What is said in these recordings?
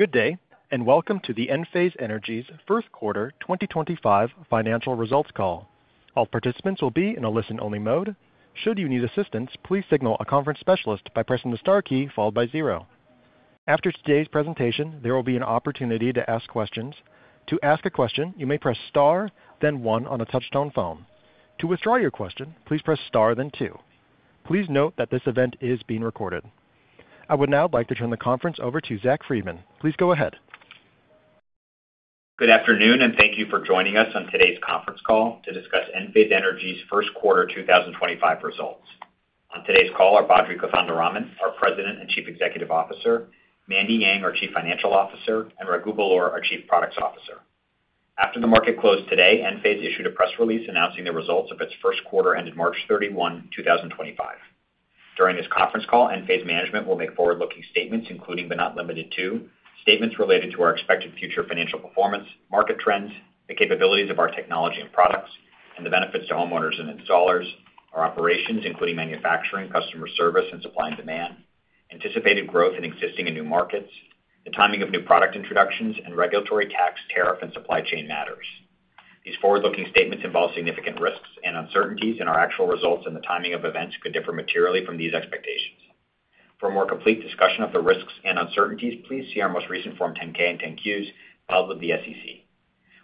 Good day, and welcome to the Enphase Energy's First Quarter 2025 Financial Results Call. All participants will be in a listen-only mode. Should you need assistance, please signal a conference specialist by pressing the star key followed by zero. After today's presentation, there will be an opportunity to ask questions. To ask a question, you may press star, then one on a touchstone phone. To withdraw your question, please press star, then two. Please note that this event is being recorded. I would now like to turn the conference over to Zach Freedman. Please go ahead. Good afternoon, and thank you for joining us on today's conference call to discuss Enphase Energy's first quarter 2025 results. On today's call are Badri Kothandaraman, our President and Chief Executive Officer; Mandy Yang, our Chief Financial Officer; and Raghu Belur, our Chief Products Officer. After the market closed today, Enphase issued a press release announcing the results of its first quarter ended March 31, 2025. During this conference call, Enphase management will make forward-looking statements, including but not limited to statements related to our expected future financial performance, market trends, the capabilities of our technology and products, and the benefits to homeowners and installers, our operations, including manufacturing, customer service, and supply and demand, anticipated growth in existing and new markets, the timing of new product introductions, and regulatory tax, tariff, and supply chain matters. These forward-looking statements involve significant risks and uncertainties, and our actual results and the timing of events could differ materially from these expectations. For a more complete discussion of the risks and uncertainties, please see our most recent Form 10-K and 10-Qs filed with the SEC.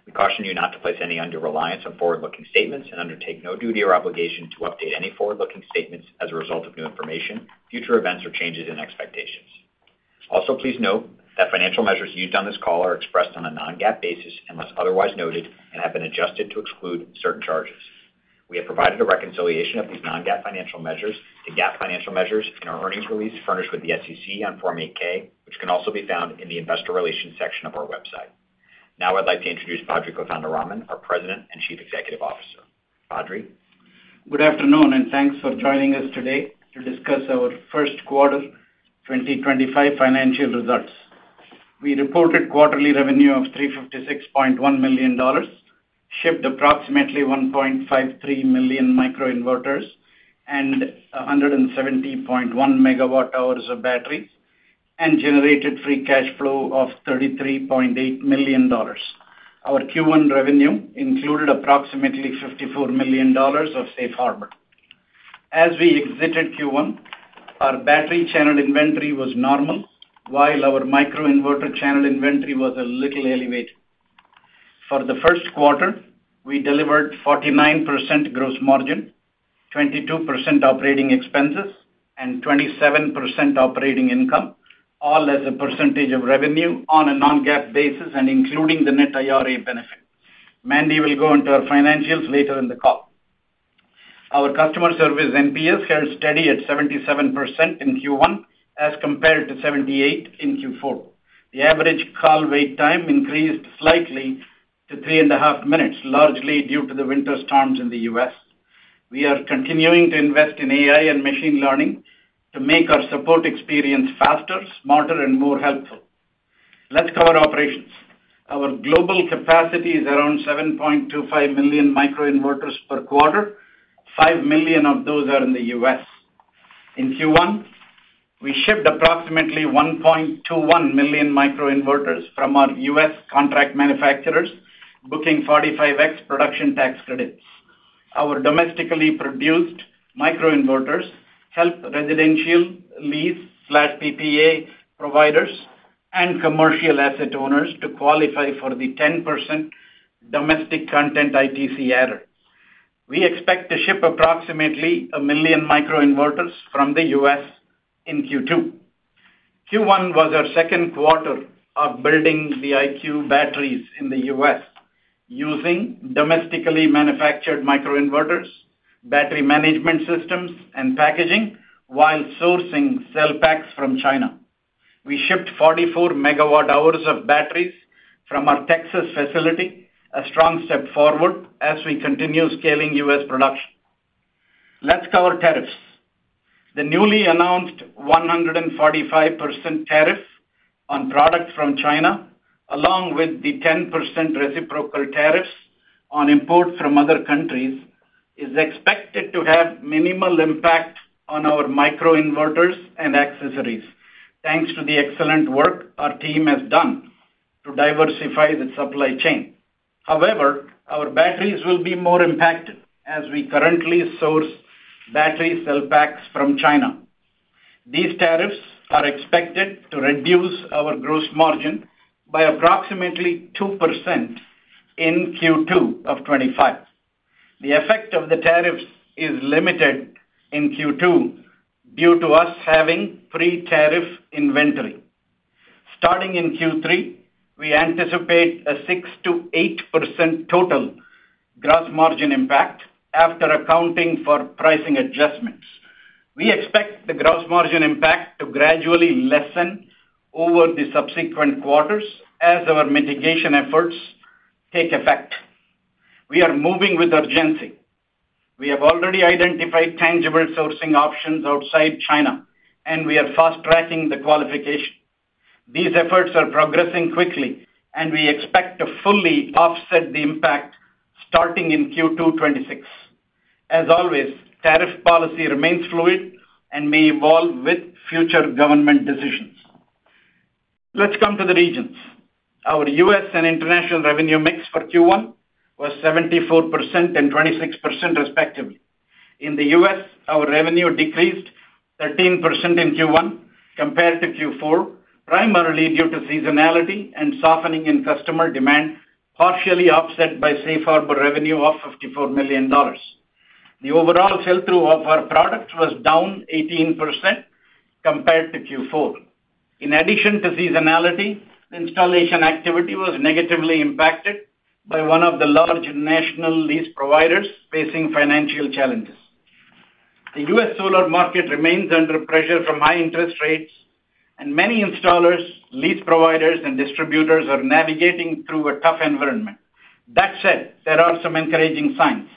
We caution you not to place any undue reliance on forward-looking statements and undertake no duty or obligation to update any forward-looking statements as a result of new information, future events, or changes in expectations. Also, please note that financial measures used on this call are expressed on a non-GAAP basis unless otherwise noted and have been adjusted to exclude certain charges. We have provided a reconciliation of these non-GAAP financial measures to GAAP financial measures in our earnings release furnished with the SEC on Form 8-K, which can also be found in the investor relations section of our website. Now, I'd like to introduce Badri Kothandaraman, our President and Chief Executive Officer. Badri? Good afternoon, and thanks for joining us today to discuss our first quarter 2025 financial results. We reported quarterly revenue of $356.1 million, shipped approximately 1.53 million microinverters, and 170.1 megawatt-hours of batteries, and generated free cash flow of $33.8 million. Our Q1 revenue included approximately $54 million of safe harbor. As we exited Q1, our battery channel inventory was normal, while our microinverter channel inventory was a little elevated. For the first quarter, we delivered 49% gross margin, 22% operating expenses, and 27% operating income, all as a percentage of revenue on a non-GAAP basis and including the net IRA benefit. Mandy will go into our financials later in the call. Our customer service NPS held steady at 77% in Q1 as compared to 78% in Q4. The average call wait time increased slightly to three and a half minutes, largely due to the winter storms in the U.S. We are continuing to invest in AI and machine learning to make our support experience faster, smarter, and more helpful. Let's cover operations. Our global capacity is around 7.25 million microinverters per quarter. Five million of those are in the U.S. In Q1, we shipped approximately 1.21 million microinverters from our U.S contract manufacturers, booking 45X production tax credits. Our domestically produced microinverters help residential lease/PPA providers and commercial asset owners to qualify for the 10% domestic content ITC adder. We expect to ship approximately one million microinverters from the U.S. in Q2. Q1 was our second quarter of building the IQ batteries in the U.S., using domestically manufactured microinverters, battery management systems, and packaging, while sourcing cell packs from China. We shipped 44 MWh of batteries from our Texas facility, a strong step forward as we continue scaling U.S. production. Let's cover tariffs. The newly announced 145% tariff on products from China, along with the 10% reciprocal tariffs on imports from other countries, is expected to have minimal impact on our microinverters and accessories thanks to the excellent work our team has done to diversify the supply chain. However, our batteries will be more impacted as we currently source battery cell packs from China. These tariffs are expected to reduce our gross margin by approximately 2% in Q2 of 2025. The effect of the tariffs is limited in Q2 due to us having free tariff inventory. Starting in Q3, we anticipate a 6-8% total gross margin impact after accounting for pricing adjustments. We expect the gross margin impact to gradually lessen over the subsequent quarters as our mitigation efforts take effect. We are moving with urgency. We have already identified tangible sourcing options outside China, and we are fast-tracking the qualification. These efforts are progressing quickly, and we expect to fully offset the impact starting in Q2 2026. As always, tariff policy remains fluid and may evolve with future government decisions. Let's come to the regions. Our U.S. and international revenue mix for Q1 was 74% and 26%, respectively. In the US, our revenue decreased 13% in Q1 compared to Q4, primarily due to seasonality and softening in customer demand, partially offset by safe harbor revenue of $54 million. The overall sell-through of our product was down 18% compared to Q4. In addition to seasonality, installation activity was negatively impacted by one of the large national lease providers facing financial challenges. The U.S. solar market remains under pressure from high interest rates, and many installers, lease providers, and distributors are navigating through a tough environment. That said, there are some encouraging signs.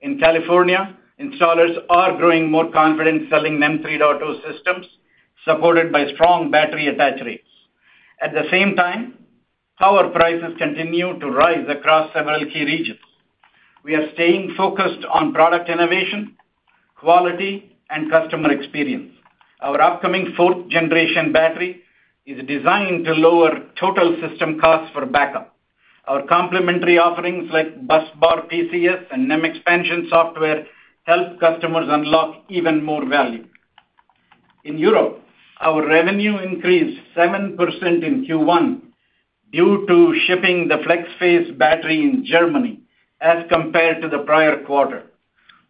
In California, installers are growing more confident selling NEM 3.0 systems, supported by strong battery attach rates. At the same time, power prices continue to rise across several key regions. We are staying focused on product innovation, quality, and customer experience. Our upcoming fourth-generation battery is designed to lower total system costs for backup. Our complementary offerings like Busbar PCS and NEM expansion software help customers unlock even more value. In Europe, our revenue increased 7% in Q1 due to shipping the Flex-Phase battery in Germany as compared to the prior quarter,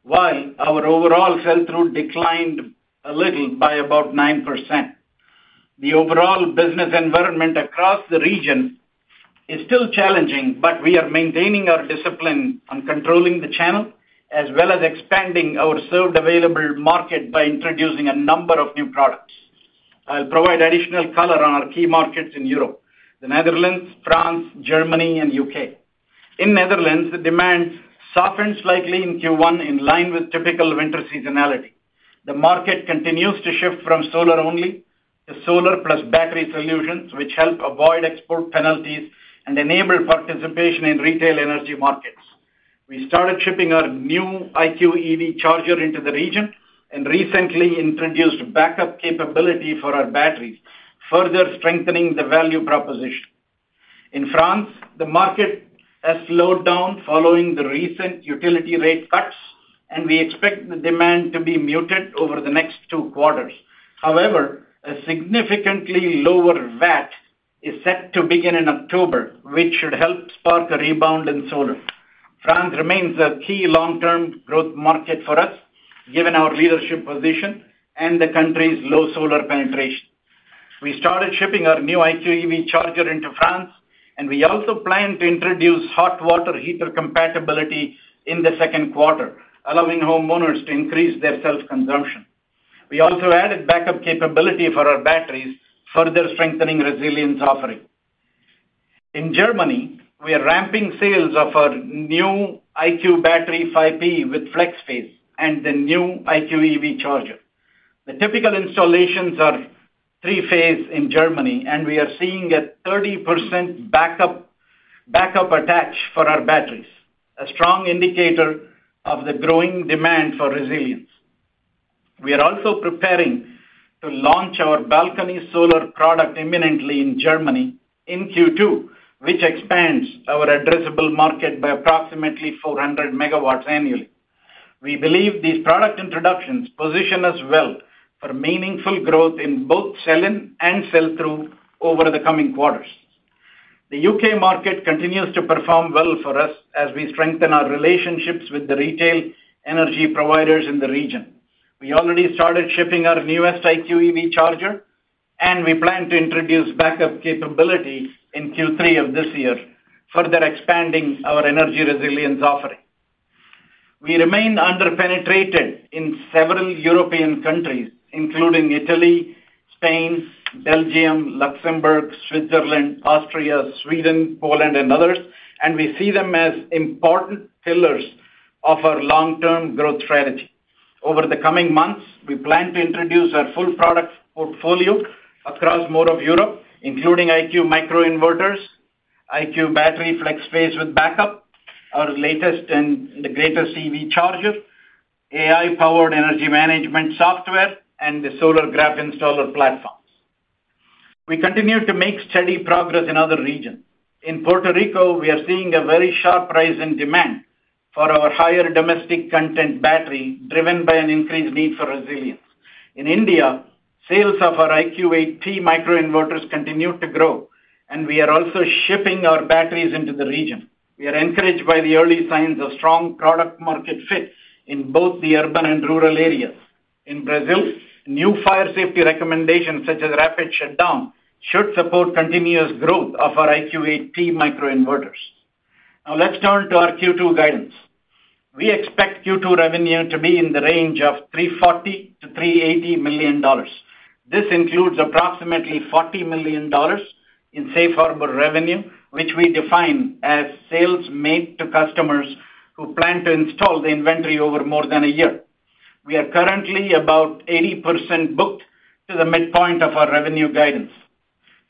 while our overall sell-through declined a little by about 9%. The overall business environment across the region is still challenging, but we are maintaining our discipline on controlling the channel as well as expanding our served-available market by introducing a number of new products. I'll provide additional color on our key markets in Europe: the Netherlands, France, Germany, and U.K. In the Netherlands, the demand softens slightly in Q1 in line with typical winter seasonality. The market continues to shift from solar-only to solar-plus-battery solutions, which help avoid export penalties and enable participation in retail energy markets. We started shipping our new IQ EV charger into the region and recently introduced backup capability for our batteries, further strengthening the value proposition. In France, the market has slowed down following the recent utility rate cuts, and we expect the demand to be muted over the next two quarters. However, a significantly lower VAT is set to begin in October, which should help spark a rebound in solar. France remains a key long-term growth market for us, given our leadership position and the country's low solar penetration. We started shipping our new IQ EV charger into France, and we also plan to introduce hot water heater compatibility in the second quarter, allowing homeowners to increase their self-consumption. We also added backup capability for our batteries, further strengthening resilience offering. In Germany, we are ramping sales of our new IQ Battery 5P with Flex-Phase and the new IQ EV charger. The typical installations are three-phase in Germany, and we are seeing a 30% backup attach for our batteries, a strong indicator of the growing demand for resilience. We are also preparing to launch our balcony solar product imminently in Germany in Q2, which expands our addressable market by approximately 400 MW annually. We believe these product introductions position us well for meaningful growth in both sell-in and sell-through over the coming quarters. The U.K. market continues to perform well for us as we strengthen our relationships with the retail energy providers in the region. We already started shipping our newest IQ EV charger, and we plan to introduce backup capability in Q3 of this year, further expanding our energy resilience offering. We remain under-penetrated in several European countries, including Italy, Spain, Belgium, Luxembourg, Switzerland, Austria, Sweden, Poland, and others, and we see them as important pillars of our long-term growth strategy. Over the coming months, we plan to introduce our full product portfolio across more of Europe, including IQ microinverters, IQ battery Flex-Phase with backup, our latest and the greatest EV charger, AI-powered energy management software, and the Solar Graph installer platforms. We continue to make steady progress in other regions. In Puerto Rico, we are seeing a very sharp rise in demand for our higher domestic content battery, driven by an increased need for resilience. In India, sales of our IQ 8-P microinverters continue to grow, and we are also shipping our batteries into the region. We are encouraged by the early signs of strong product-market fit in both the urban and rural areas. In Brazil, new fire safety recommendations such as rapid shutdown should support continuous growth of our IQ 8-P microinverters. Now, let's turn to our Q2 guidance. We expect Q2 revenue to be in the range of $340-$380 million. This includes approximately $40 million in safe harbor revenue, which we define as sales made to customers who plan to install the inventory over more than a year. We are currently about 80% booked to the midpoint of our revenue guidance.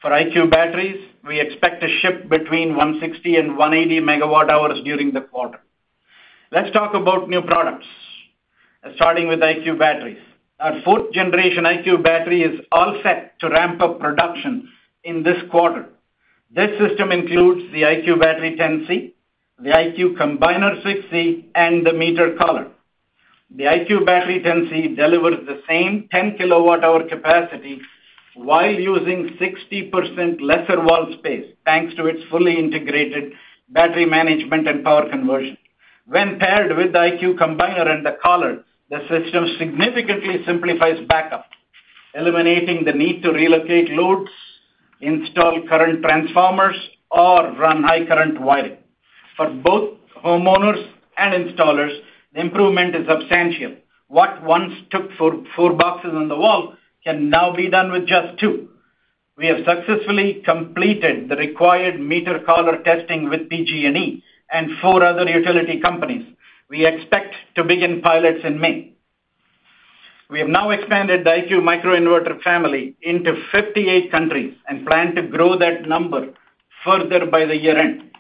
For IQ batteries, we expect to ship between 160 and 180 MWh during the quarter. Let's talk about new products, starting with IQ batteries. Our fourth-generation IQ battery is all set to ramp up production in this quarter. This system includes the IQ Battery 10C, the IQ Combiner 6C, and the meter collar. The IQ Battery 10C delivers the same 10 KWh capacity while using 60% lesser wall space thanks to its fully integrated battery management and power conversion. When paired with the IQ Combiner and the collar, the system significantly simplifies backup, eliminating the need to relocate loads, install current transformers, or run high-current wiring. For both homeowners and installers, the improvement is substantial. What once took four boxes on the wall can now be done with just two. We have successfully completed the required meter collar testing with PG&E and four other utility companies. We expect to begin pilots in May. We have now expanded the IQ microinverter family into 58 countries and plan to grow that number further by the year end.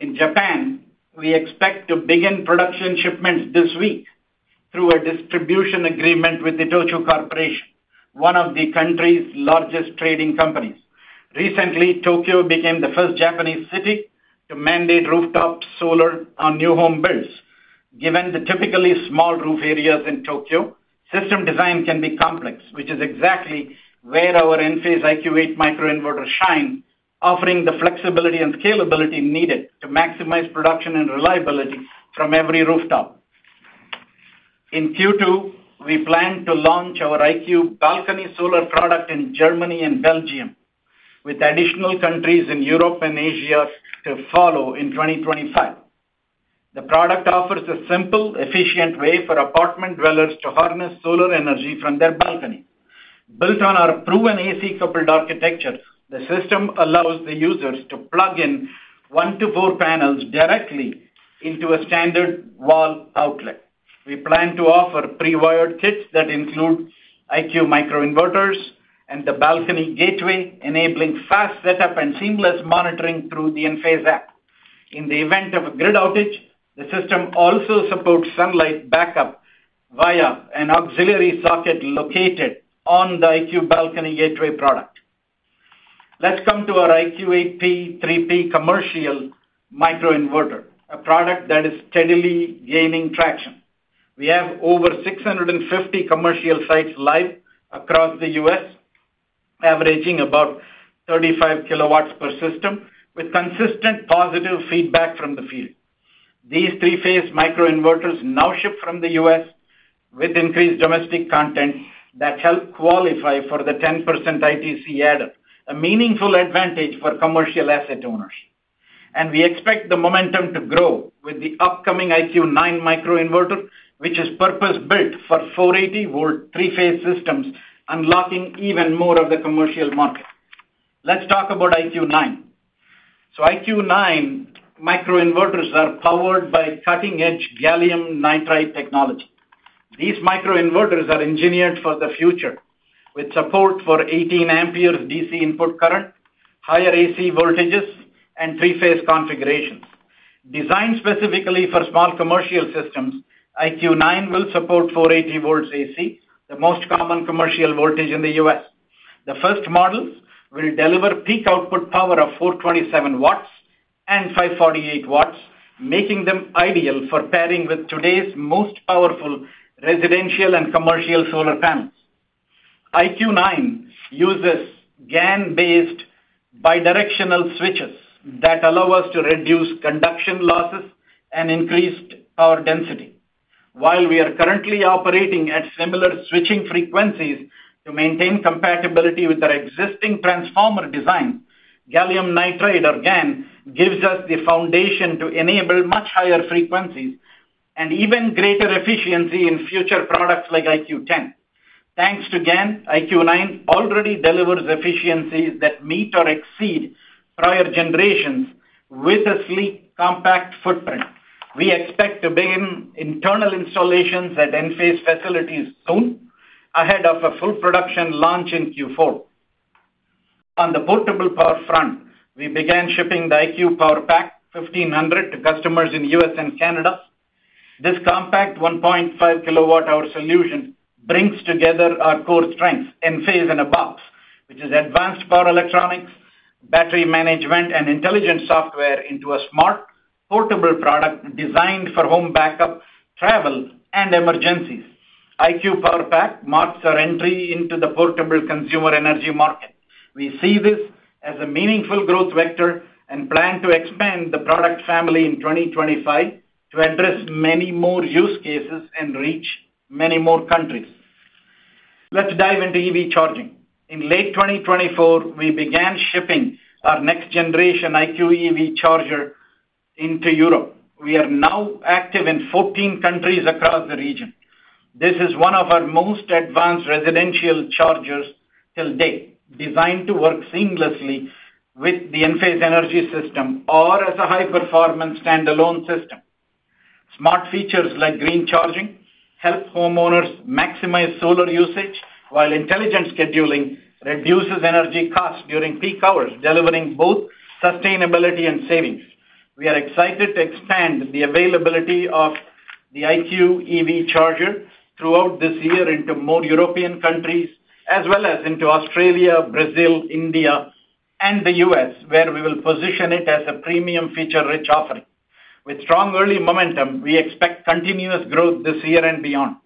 In Japan, we expect to begin production shipments this week through a distribution agreement with Hitotsu Corporation, one of the country's largest trading companies. Recently, Tokyo became the first Japanese city to mandate rooftop solar on new home builds. Given the typically small roof areas in Tokyo, system design can be complex, which is exactly where our Enphase IQ 8 microinverter shines, offering the flexibility and scalability needed to maximize production and reliability from every rooftop. In Q2, we plan to launch our IQ Balcony Solar product in Germany and Belgium, with additional countries in Europe and Asia to follow in 2025. The product offers a simple, efficient way for apartment dwellers to harness solar energy from their balcony. Built on our proven AC coupled architecture, the system allows the users to plug in one to four panels directly into a standard wall outlet. We plan to offer pre-wired kits that include IQ microinverters and the Balcony Gateway, enabling fast setup and seamless monitoring through the Enphase app. In the event of a grid outage, the system also supports sunlight backup via an auxiliary socket located on the IQ Balcony Gateway product. Let's come to our IQ 8-P 3P commercial microinverter, a product that is steadily gaining traction. We have over 650 commercial sites live across the U.S., averaging about 35 kW per system, with consistent positive feedback from the field. These three-phase microinverters now ship from the U.S. with increased domestic content that help qualify for the 10% ITC adder, a meaningful advantage for commercial asset owners. We expect the momentum to grow with the upcoming IQ 9 microinverter, which is purpose-built for 480-volt three-phase systems, unlocking even more of the commercial market. Let's talk about IQ 9. IQ 9 microinverters are powered by cutting-edge gallium nitride technology. These microinverters are engineered for the future, with support for 18 amperes DC input current, higher AC voltages, and three-phase configurations. Designed specifically for small commercial systems, IQ 9 will support 480 volts AC, the most common commercial voltage in the U.S. The first models will deliver peak output power of 427 W and 548 W, making them ideal for pairing with today's most powerful residential and commercial solar panels. IQ 9 uses GaN-based bidirectional switches that allow us to reduce conduction losses and increase power density. While we are currently operating at similar switching frequencies to maintain compatibility with our existing transformer design, gallium nitride or GaN gives us the foundation to enable much higher frequencies and even greater efficiency in future products like IQ 10. Thanks to GaN, IQ 9 already delivers efficiencies that meet or exceed prior generations with a sleek, compact footprint. We expect to begin internal installations at Enphase facilities soon, ahead of a full production launch in Q4. On the portable power front, we began shipping the IQ PowerPack 1500 to customers in the U.S. and Canada. This compact 1.5 kWh solution brings together our core strengths in phase and above, which is advanced power electronics, battery management, and intelligent software into a smart portable product designed for home backup, travel, and emergencies. IQ PowerPack marks our entry into the portable consumer energy market. We see this as a meaningful growth vector and plan to expand the product family in 2025 to address many more use cases and reach many more countries. Let's dive into EV charging. In late 2024, we began shipping our next-generation IQ EV charger into Europe. We are now active in 14 countries across the region. This is one of our most advanced residential chargers to date, designed to work seamlessly with the Enphase Energy system or as a high-performance standalone system. Smart features like green charging help homeowners maximize solar usage, while intelligent scheduling reduces energy costs during peak hours, delivering both sustainability and savings. We are excited to expand the availability of the IQ EV charger throughout this year into more European countries, as well as into Australia, Brazil, India, and the U.S., where we will position it as a premium feature-rich offering. With strong early momentum, we expect continuous growth this year and beyond.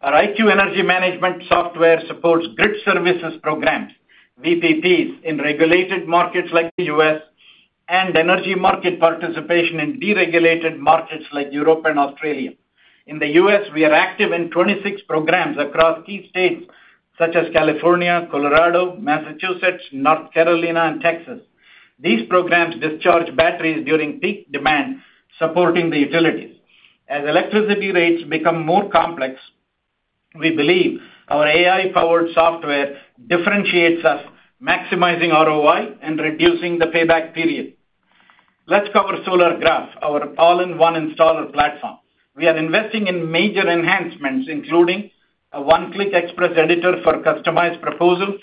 Our IQ energy management software supports grid services programs, VPPs, in regulated markets like the U.S., and energy market participation in deregulated markets like Europe and Australia. In the U.S., we are active in 26 programs across key states such as California, Colorado, Massachusetts, North Carolina, and Texas. These programs discharge batteries during peak demand, supporting the utilities. As electricity rates become more complex, we believe our AI-powered software differentiates us, maximizing ROI and reducing the payback period. Let's cover Solar Graph, our all-in-one installer platform. We are investing in major enhancements, including a one-click express editor for customized proposals,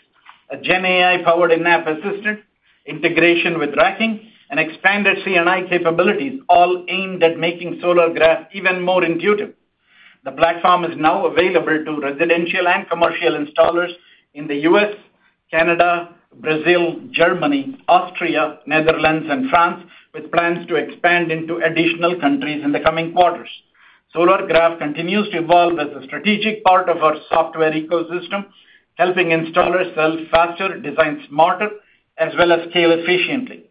a GenAI-powered in-app assistant, integration with racking, and expanded CNI capabilities, all aimed at making Solar Graph even more intuitive. The platform is now available to residential and commercial installers in the U.S., Canada, Brazil, Germany, Austria, Netherlands, and France, with plans to expand into additional countries in the coming quarters. Solar Graph continues to evolve as a strategic part of our software ecosystem, helping installers sell faster, design smarter, as well as scale efficiently.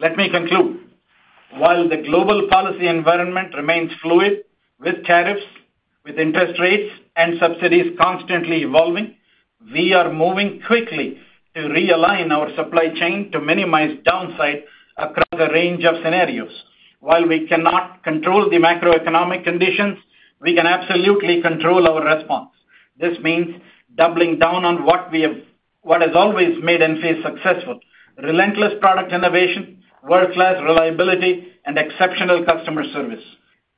Let me conclude. While the global policy environment remains fluid, with tariffs, with interest rates, and subsidies constantly evolving, we are moving quickly to realign our supply chain to minimize downside across a range of scenarios. While we cannot control the macroeconomic conditions, we can absolutely control our response. This means doubling down on what has always made Enphase successful: relentless product innovation, world-class reliability, and exceptional customer service.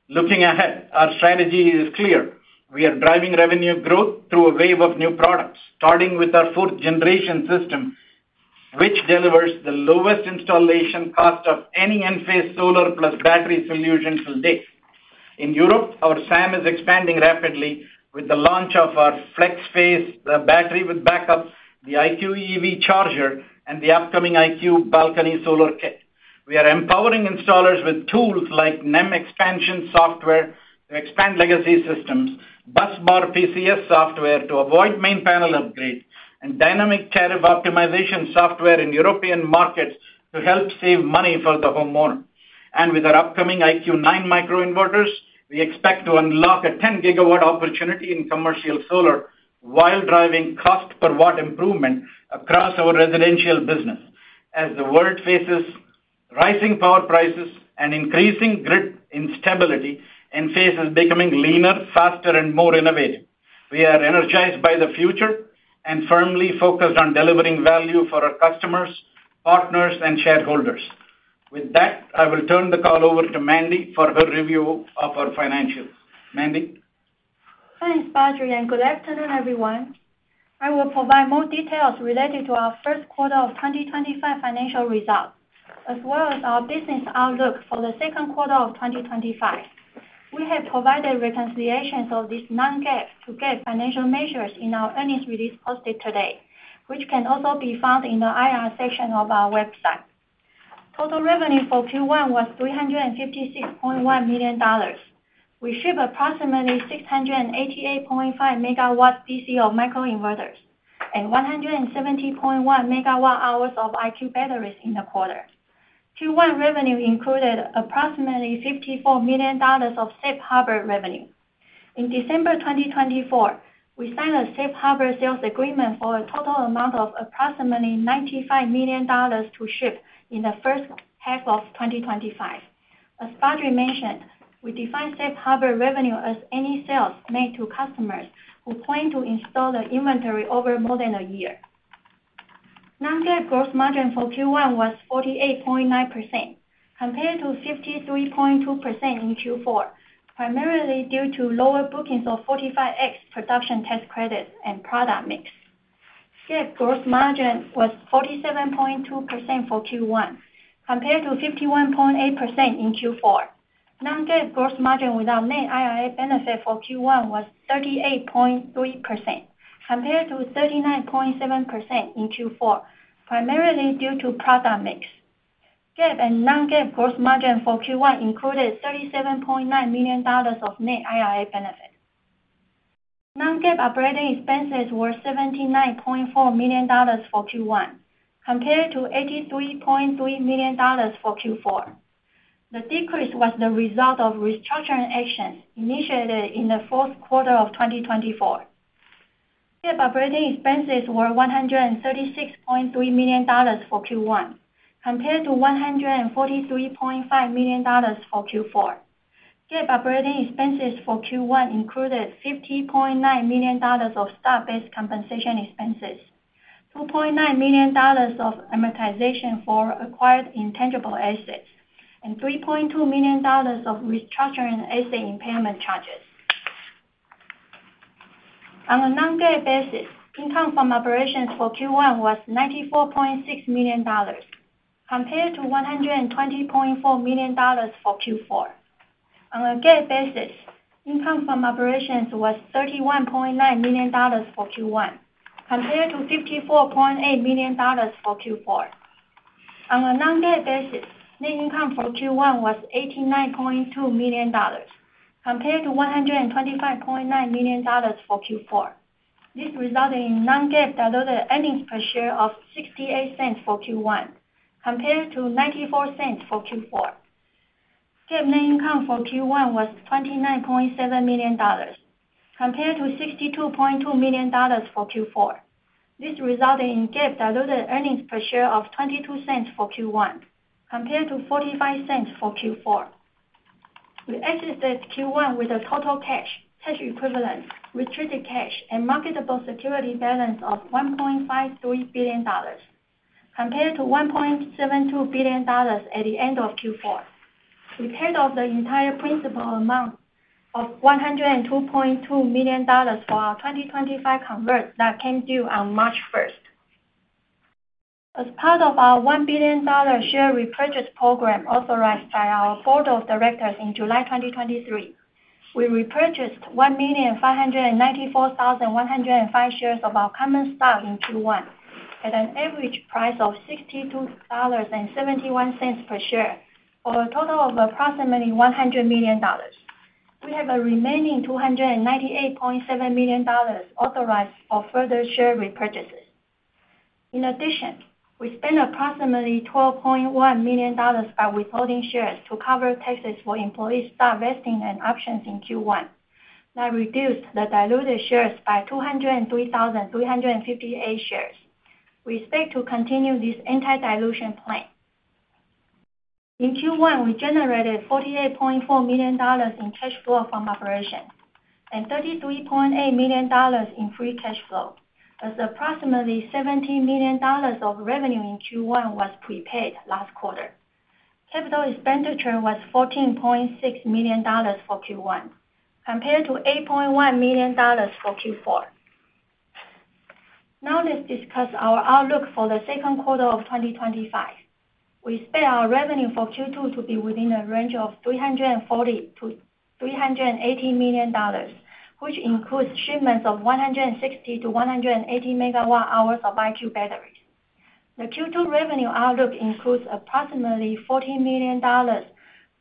Looking ahead, our strategy is clear. We are driving revenue growth through a wave of new products, starting with our fourth-generation system, which delivers the lowest installation cost of any Enphase solar plus battery solution till date. In Europe, our SAM is expanding rapidly with the launch of our Flex-Phase battery with backup, the IQ EV Charger, and the upcoming IQ Balcony Solar kit. We are empowering installers with tools like NEM Expansion Software to expand legacy systems, Busbar PCS software to avoid main panel upgrades, and dynamic tariff optimization software in European markets to help save money for the homeowner. With our upcoming IQ9 microinverters, we expect to unlock a 10 GW opportunity in commercial solar while driving cost per watt improvement across our residential business. As the world faces rising power prices and increasing grid instability, Enphase is becoming leaner, faster, and more innovative. We are energized by the future and firmly focused on delivering value for our customers, partners, and shareholders. With that, I will turn the call over to Mandy for her review of our financials. Mandy. Thanks, Badri. Good afternoon, everyone. I will provide more details related to our first quarter of 2025 financial results, as well as our business outlook for the second quarter of 2025. We have provided reconciliations of these non-GAAP to GAAP financial measures in our earnings release posted today, which can also be found in the IR section of our website. Total revenue for Q1 was $356.1 million. We shipped approximately 688.5 MW DC of microinverters and 170.1 MWh of IQ batteries in the quarter. Q1 revenue included approximately $54 million of safe harbor revenue. In December 2024, we signed a safe harbor sales agreement for a total amount of approximately $95 million to ship in the first half of 2025. As Badri mentioned, we define safe harbor revenue as any sales made to customers who plan to install an inventory over more than a year. Non-GAAP gross margin for Q1 was 48.9%, compared to 53.2% in Q4, primarily due to lower bookings of 45X production tax credits and product mix. GAAP gross margin was 47.2% for Q1, compared to 51.8% in Q4. Non-GAAP gross margin without net IRA benefit for Q1 was 38.3%, compared to 39.7% in Q4, primarily due to product mix. GAAP and non-GAAP gross margin for Q1 included $37.9 million of net IRA benefit. Non-GAAP operating expenses were $79.4 million for Q1, compared to $83.3 million for Q4. The decrease was the result of restructuring actions initiated in the fourth quarter of 2024. GAAP operating expenses were $136.3 million for Q1, compared to $143.5 million for Q4. GAAP operating expenses for Q1 included $50.9 million of stock-based compensation expenses, $2.9 million of amortization for acquired intangible assets, and $3.2 million of restructuring asset impairment charges. On a non-GAAP basis, income from operations for Q1 was $94.6 million, compared to $120.4 million for Q4. On a GAAP basis, income from operations was $31.9 million for Q1, compared to $54.8 million for Q4. On a non-GAAP basis, net income for Q1 was $89.2 million, compared to $125.9 million for Q4. This resulted in non-GAAP diluted earnings per share of $0.68 for Q1, compared to $0.94 for Q4. GAAP net income for Q1 was $29.7 million, compared to $62.2 million for Q4. This resulted in GAAP diluted earnings per share of $0.22 for Q1, compared to $0.45 for Q4. We exited Q1 with a total cash, cash equivalent, restricted cash, and marketable security balance of $1.53 billion, compared to $1.72 billion at the end of Q4, repaid of the entire principal amount of $102.2 million for our 2025 converts that came due on March 1. As part of our $1 billion share repurchase program authorized by our board of directors in July 2023, we repurchased 1,594,105 shares of our common stock in Q1 at an average price of $62.71 per share for a total of approximately $100 million. We have a remaining $298.7 million authorized for further share repurchases. In addition, we spent approximately $12.1 million by withholding shares to cover taxes for employee stock vesting and options in Q1 that reduced the diluted shares by 203,358 shares. We expect to continue this anti-dilution plan. In Q1, we generated $48.4 million in cash flow from operations and $33.8 million in free cash flow, as approximately $17 million of revenue in Q1 was prepaid last quarter. Capital expenditure was $14.6 million for Q1, compared to $8.1 million for Q4. Now let's discuss our outlook for the second quarter of 2025. We expect our revenue for Q2 to be within a range of $340-$380 million, which includes shipments of 160-180 megawatt-hours of IQ batteries. The Q2 revenue outlook includes approximately $40 million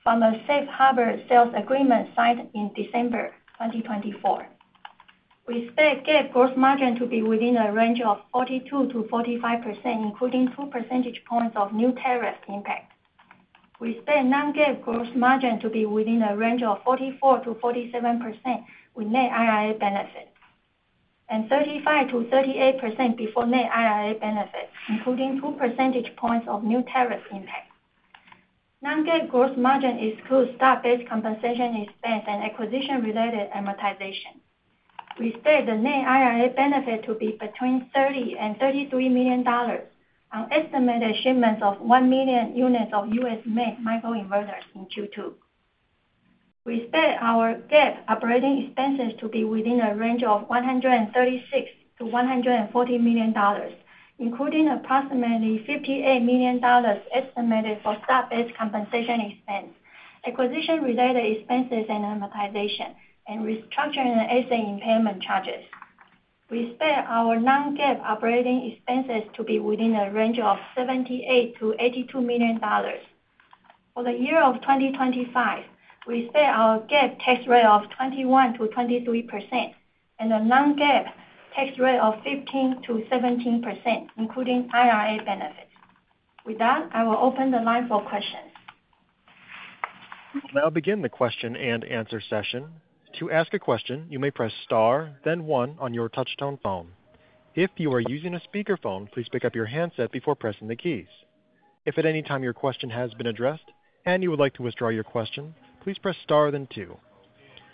from a safe harbor sales agreement signed in December 2024. We expect GAAP gross margin to be within a range of 42%-45%, including 2 percentage points of new tariff impact. We expect non-GAAP gross margin to be within a range of 44-47% with net IRA benefit and 35-38% before net IRA benefit, including 2 percentage points of new tariff impact. Non-GAAP gross margin excludes stock-based compensation expense and acquisition-related amortization. We expect the net IRA benefit to be between $30 million and $33 million on estimated shipments of 1 million units of US-made microinverters in Q2. We expect our GAAP operating expenses to be within a range of $136 million-$140 million, including approximately $58 million estimated for stock-based compensation expense, acquisition-related expenses and amortization, and restructuring asset impairment charges. We expect our non-GAAP operating expenses to be within a range of $78 million-$82 million. For the year of 2025, we expect our GAAP tax rate of 21-23% and a non-GAAP tax rate of 15-17%, including IRA benefits. With that, I will open the line for questions. I'll begin the question and answer session. To ask a question, you may press star, then one on your touchstone phone. If you are using a speakerphone, please pick up your handset before pressing the keys. If at any time your question has been addressed and you would like to withdraw your question, please press star, then two.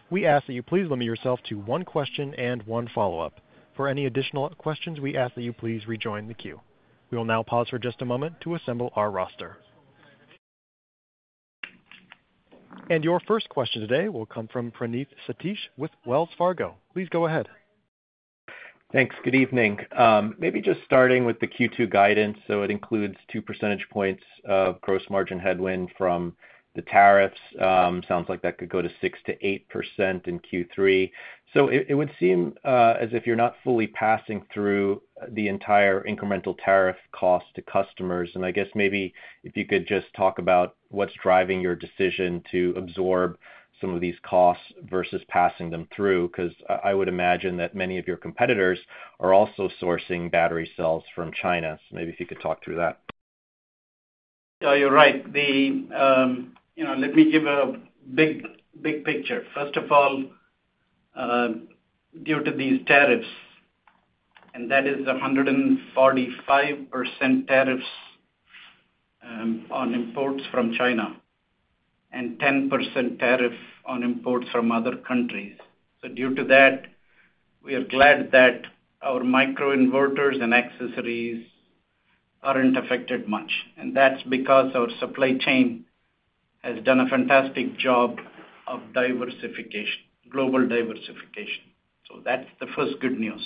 We ask that you please limit yourself to one question and one follow-up. For any additional questions, we ask that you please rejoin the queue. We will now pause for just a moment to assemble our roster. Your first question today will come from Praneeth Satish with Wells Fargo. Please go ahead. Thanks. Good evening. Maybe just starting with the Q2 guidance, so it includes 2 percentage points of gross margin headwind from the tariffs. Sounds like that could go to 6-8% in Q3. It would seem as if you're not fully passing through the entire incremental tariff cost to customers. I guess maybe if you could just talk about what's driving your decision to absorb some of these costs versus passing them through, because I would imagine that many of your competitors are also sourcing battery cells from China. Maybe if you could talk through that. Yeah, you're right. Let me give a big picture. First of all, due to these tariffs, and that is 145% tariffs on imports from China and 10% tariff on imports from other countries. Due to that, we are glad that our microinverters and accessories aren't affected much. That's because our supply chain has done a fantastic job of global diversification. That's the first good news.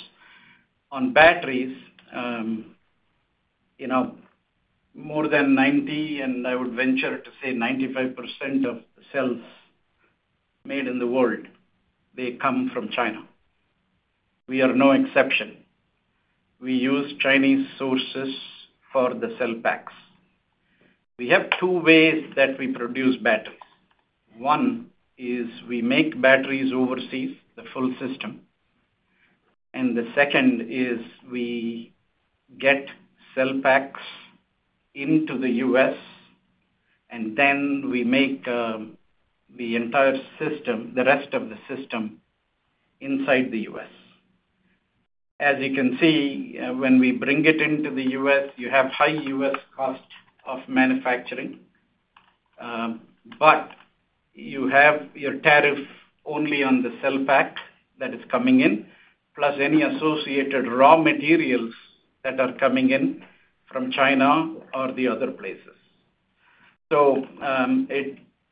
On batteries, more than 90, and I would venture to say 95% of the cells made in the world, they come from China. We are no exception. We use Chinese sources for the cell packs. We have two ways that we produce batteries. One is we make batteries overseas, the full system. The second is we get cell packs into the US, and then we make the entire system, the rest of the system inside the U.S. As you can see, when we bring it into the U.S., you have high U.S. cost of manufacturing, but you have your tariff only on the cell pack that is coming in, plus any associated raw materials that are coming in from China or the other places.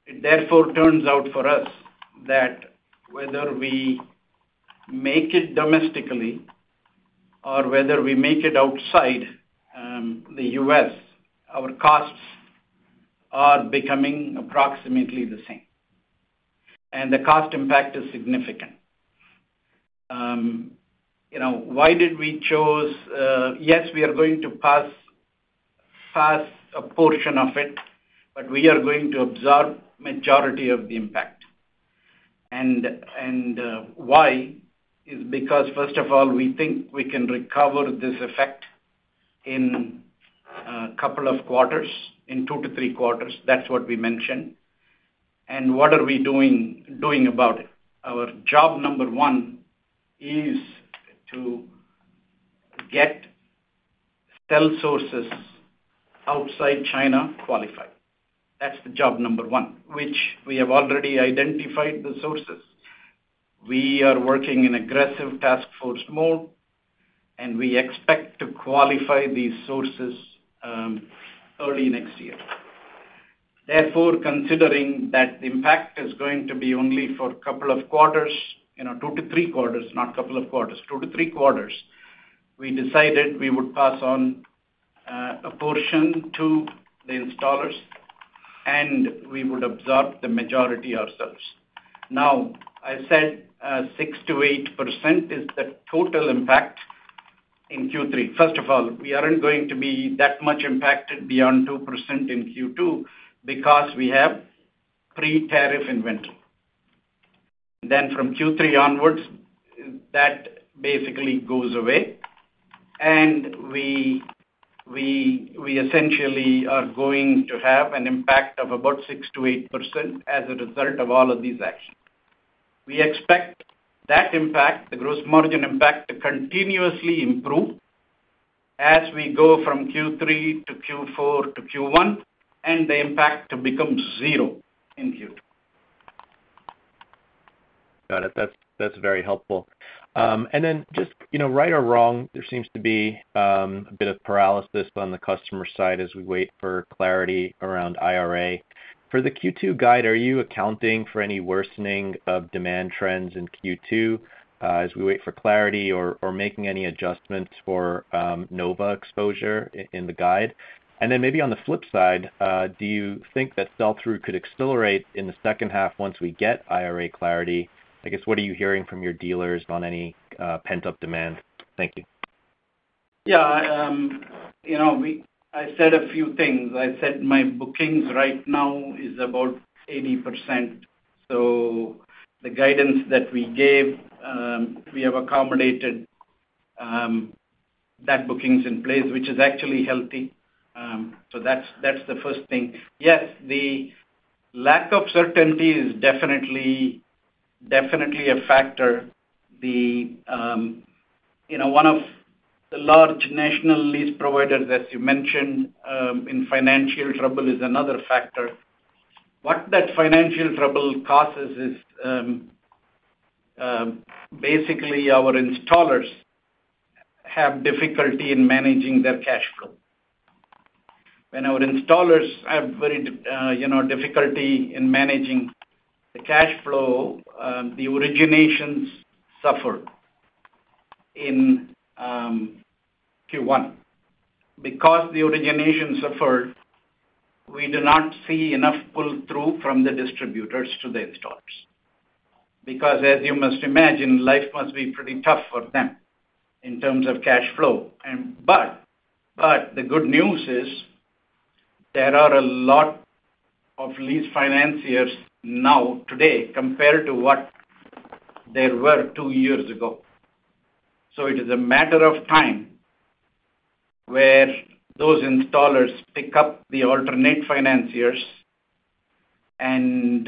It therefore turns out for us that whether we make it domestically or whether we make it outside the U.S., our costs are becoming approximately the same. The cost impact is significant. Why did we choose? Yes, we are going to pass a portion of it, but we are going to absorb the majority of the impact. Why is because, first of all, we think we can recover this effect in a couple of quarters, in two to three quarters. That's what we mentioned. What are we doing about it? Our job number one is to get cell sources outside China qualified. That's the job number one, which we have already identified the sources. We are working in aggressive task force mode, and we expect to qualify these sources early next year. Therefore, considering that the impact is going to be only for a couple of quarters, two to three quarters, not a couple of quarters, two to three quarters, we decided we would pass on a portion to the installers, and we would absorb the majority ourselves. Now, I said 6%-8% is the total impact in Q3. First of all, we are not going to be that much impacted beyond 2% in Q2 because we have pre-tariff inventory. From Q3 onwards, that basically goes away. We essentially are going to have an impact of about 6%-8% as a result of all of these actions. We expect that impact, the gross margin impact, to continuously improve as we go from Q3 to Q4 to Q1, and the impact to become zero in Q2. Got it. That is very helpful. There seems to be a bit of paralysis on the customer side as we wait for clarity around IRA. For the Q2 guide, are you accounting for any worsening of demand trends in Q2 as we wait for clarity or making any adjustments for Nova exposure in the guide? Maybe on the flip side, do you think that sell-through could accelerate in the second half once we get IRA clarity? I guess what are you hearing from your dealers on any pent-up demand? Thank you. Yeah. I said a few things. I said my bookings right now is about 80%. The guidance that we gave, we have accommodated that bookings in place, which is actually healthy. That is the first thing. Yes, the lack of certainty is definitely a factor. One of the large national lease providers, as you mentioned, in financial trouble is another factor. What that financial trouble causes is basically our installers have difficulty in managing their cash flow. When our installers have very difficulty in managing the cash flow, the originations suffer in Q1. Because the originations suffered, we do not see enough pull-through from the distributors to the installers. As you must imagine, life must be pretty tough for them in terms of cash flow. The good news is there are a lot of lease financiers now today compared to what there were two years ago. It is a matter of time where those installers pick up the alternate financiers and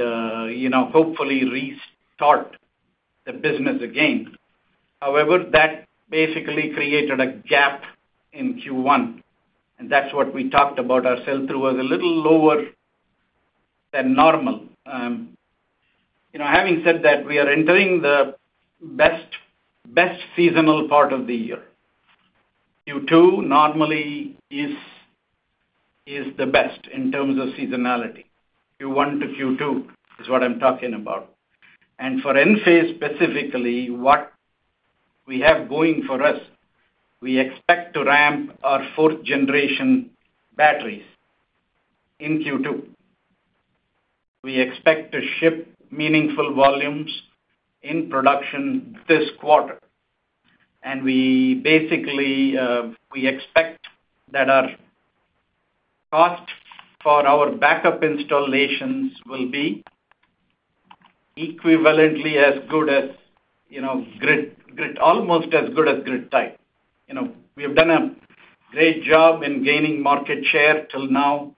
hopefully restart the business again. However, that basically created a gap in Q1. That is what we talked about. Our sell-through was a little lower than normal. Having said that, we are entering the best seasonal part of the year. Q2 normally is the best in terms of seasonality. Q1 to Q2 is what I'm talking about. For Enphase specifically, what we have going for us, we expect to ramp our fourth-generation batteries in Q2. We expect to ship meaningful volumes in production this quarter. Basically, we expect that our cost for our backup installations will be equivalently as good as grid, almost as good as grid type. We have done a great job in gaining market share till now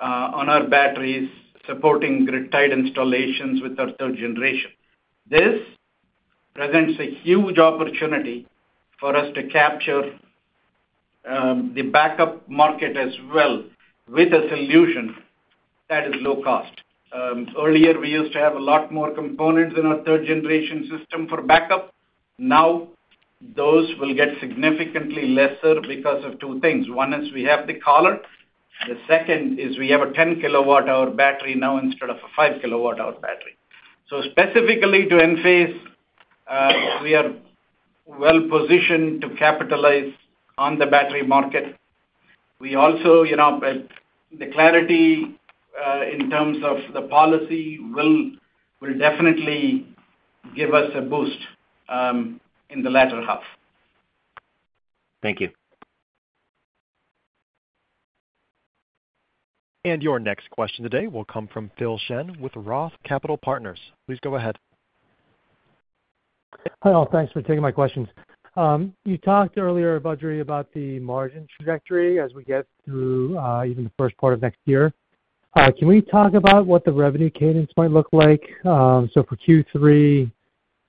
on our batteries supporting grid-tied installations with our third generation. This presents a huge opportunity for us to capture the backup market as well with a solution that is low cost. Earlier, we used to have a lot more components in our third-generation system for backup. Now, those will get significantly lesser because of two things. One is we have the collar. The second is we have a 10 kWh battery now instead of a 5 kWh battery. Specifically to Enphase, we are well-positioned to capitalize on the battery market. Also, the clarity in terms of the policy will definitely give us a boost in the latter half. Thank you. Your next question today will come from Phil Shen with Roth Capital Partners. Please go ahead. Hi. Thanks for taking my questions. You talked earlier, Badri, about the margin trajectory as we get through even the first part of next year. Can we talk about what the revenue cadence might look like? For Q3,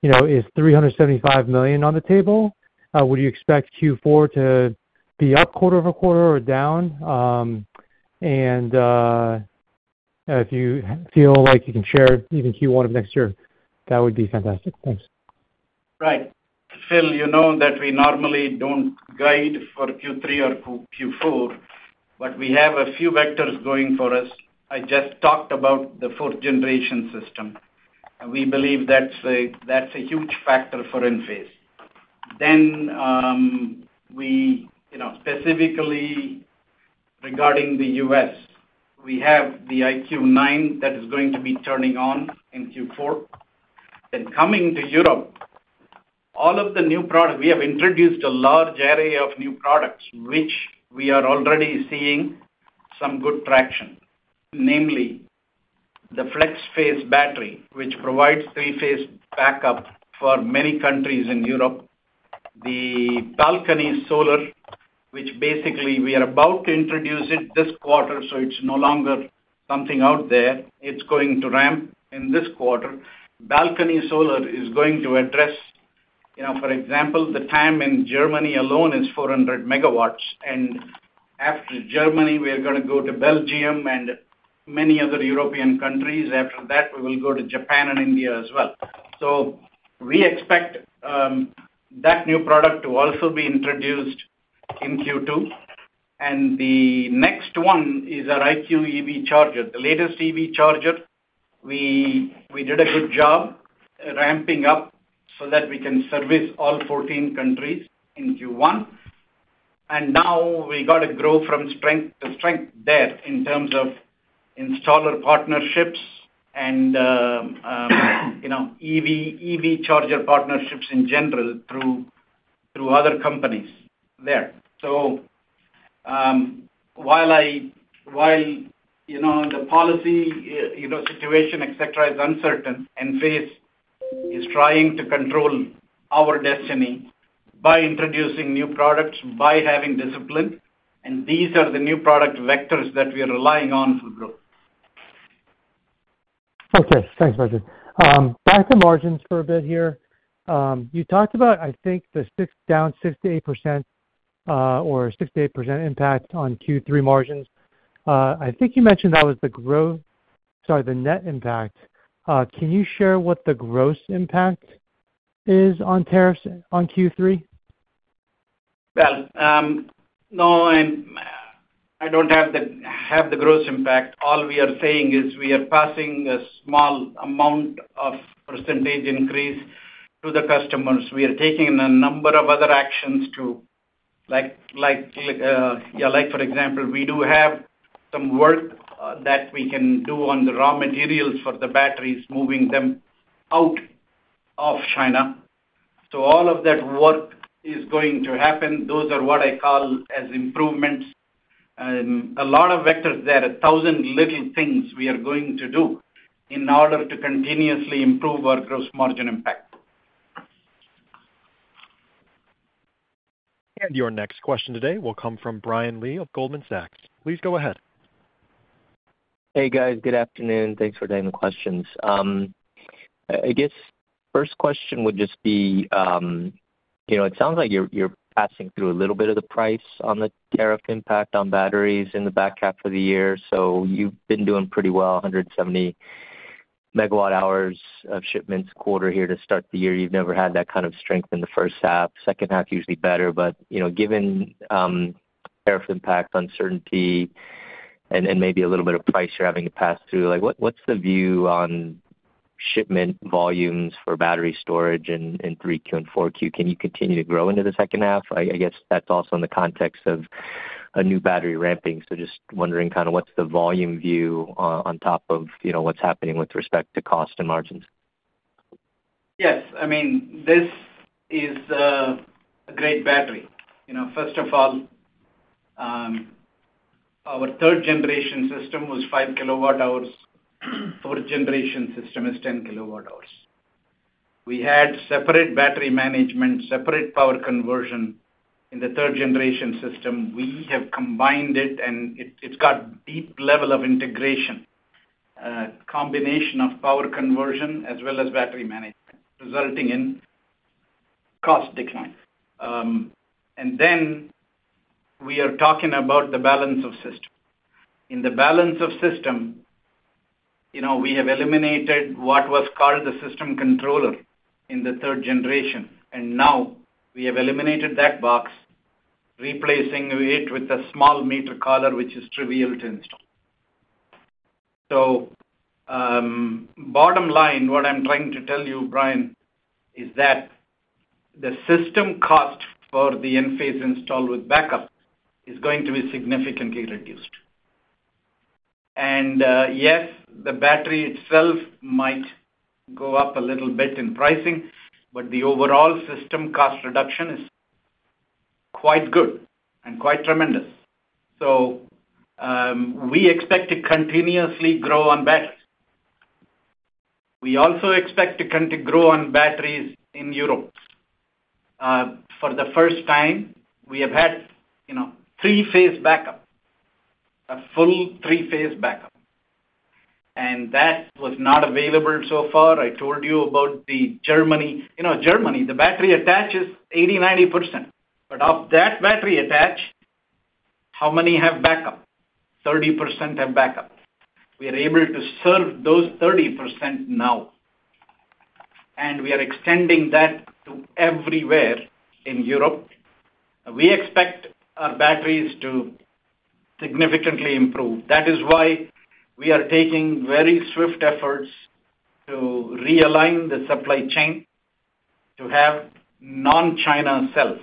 is $375 million on the table? Would you expect Q4 to be up quarter-over-quarter or down? If you feel like you can share even Q1 of next year, that would be fantastic. Thanks. Right. Phil, you know that we normally do not guide for Q3 or Q4, but we have a few vectors going for us. I just talked about the fourth-generation system. We believe that is a huge factor for Enphase. Specifically regarding the U.S., we have the IQ9 that is going to be turning on in Q4. Coming to Europe, all of the new products we have introduced, a large area of new products, which we are already seeing some good traction, namely the Flex-Phase battery, which provides three-phase backup for many countries in Europe. The Balcony Solar, which basically we are about to introduce this quarter, so it is no longer something out there. It is going to ramp in this quarter. Balcony Solar is going to address, for example, the time in Germany alone is 400 MW. After Germany, we are going to go to Belgium and many other European countries. After that, we will go to Japan and India as well. We expect that new product to also be introduced in Q2. The next one is our IQ EV charger. The latest EV charger, we did a good job ramping up so that we can service all 14 countries in Q1. Now we have to grow from strength to strength there in terms of installer partnerships and EV charger partnerships in general through other companies there. While the policy situation, et cetera, is uncertain, Enphase is trying to control our destiny by introducing new products, by having discipline. These are the new product vectors that we are relying on for growth. Okay. Thanks, Badri. Back to margins for a bit here. You talked about, I think, the down 6-8% or 6-8% impact on Q3 margins. I think you mentioned that was the gross—sorry, the net impact. Can you share what the gross impact is on tariffs on Q3? No, I do not have the gross impact. All we are saying is we are passing a small amount of % increase to the customers. We are taking a number of other actions too, like for example, we do have some work that we can do on the raw materials for the batteries, moving them out of China. All of that work is going to happen. Those are what I call as improvements. A lot of vectors there, a thousand little things we are going to do in order to continuously improve our gross margin impact. Your next question today will come from Brian Lee of Goldman Sachs. Please go ahead. Hey, guys. Good afternoon. Thanks for the questions. I guess first question would just be it sounds like you're passing through a little bit of the price on the tariff impact on batteries in the back half of the year. You have been doing pretty well, 170 MWh of shipments quarter here to start the year. You have never had that kind of strength in the first half. Second half usually better. Given tariff impact, uncertainty, and maybe a little bit of price you are having to pass through, what is the view on shipment volumes for battery storage in 3Q and 4Q? Can you continue to grow into the second half? I guess that is also in the context of a new battery ramping. Just wondering kind of what's the volume view on top of what's happening with respect to cost and margins? Yes. I mean, this is a great battery. First of all, our third-generation system was 5 kWh. Fourth-generation system is 10 kWh. We had separate battery management, separate power conversion in the third-generation system. We have combined it, and it's got a deep level of integration, a combination of power conversion as well as battery management, resulting in cost decline. We are talking about the balance of system. In the balance of system, we have eliminated what was called the system controller in the third generation. We have eliminated that box, replacing it with a small meter collar, which is trivial to install. Bottom line, what I'm trying to tell you, Brian, is that the system cost for the Enphase install with backup is going to be significantly reduced. Yes, the battery itself might go up a little bit in pricing, but the overall system cost reduction is quite good and quite tremendous. We expect to continuously grow on batteries. We also expect to grow on batteries in Europe. For the first time, we have had three-phase backup, a full three-phase backup. That was not available so far. I told you about Germany. In Germany, the battery attach is 80-90%. Of that battery attach, how many have backup? 30% have backup. We are able to serve those 30% now. We are extending that to everywhere in Europe. We expect our batteries to significantly improve. That is why we are taking very swift efforts to realign the supply chain to have non-China cells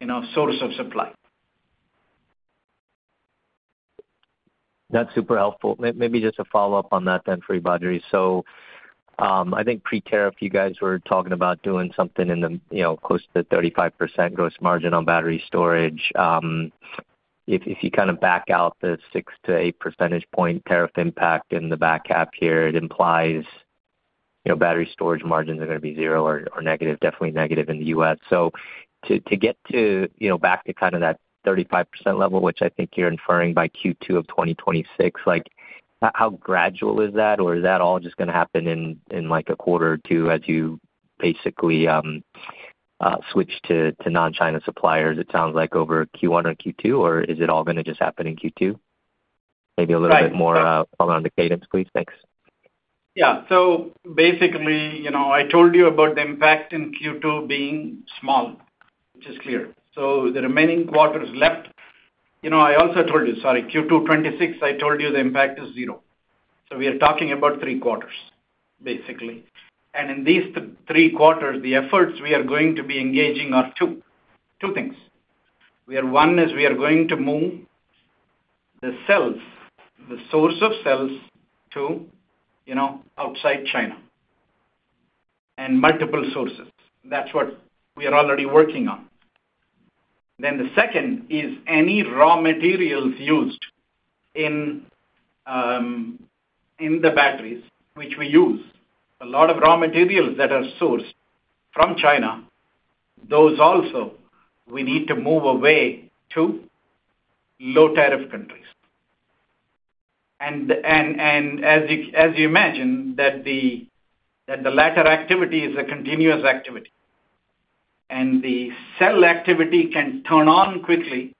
in our source of supply. That's super helpful. Maybe just a follow-up on that, then for you, Badri. I think pre-term, if you guys were talking about doing something in the close to 35% gross margin on battery storage, if you kind of back out the 6-8 % point tariff impact in the back half here, it implies battery storage margins are going to be zero or negative, definitely negative in the U.S.. To get back to kind of that 35% level, which I think you're inferring by Q2 of 2026, how gradual is that? Is that all just going to happen in a quarter or two as you basically switch to non-China suppliers, it sounds like, over Q1 and Q2? Is it all going to just happen in Q2? Maybe a little bit more on the cadence, please. Thanks. Yeah. Basically, I told you about the impact in Q2 being small, which is clear. The remaining quarters left, I also told you, sorry, Q2 2026, I told you the impact is zero. We are talking about three quarters, basically. In these three quarters, the efforts we are going to be engaging are two things. One is we are going to move the cells, the source of cells, to outside China and multiple sources. That is what we are already working on. The second is any raw materials used in the batteries, which we use a lot of raw materials that are sourced from China, those also we need to move away to low tariff countries. As you imagine, the latter activity is a continuous activity. The cell activity can turn on quickly,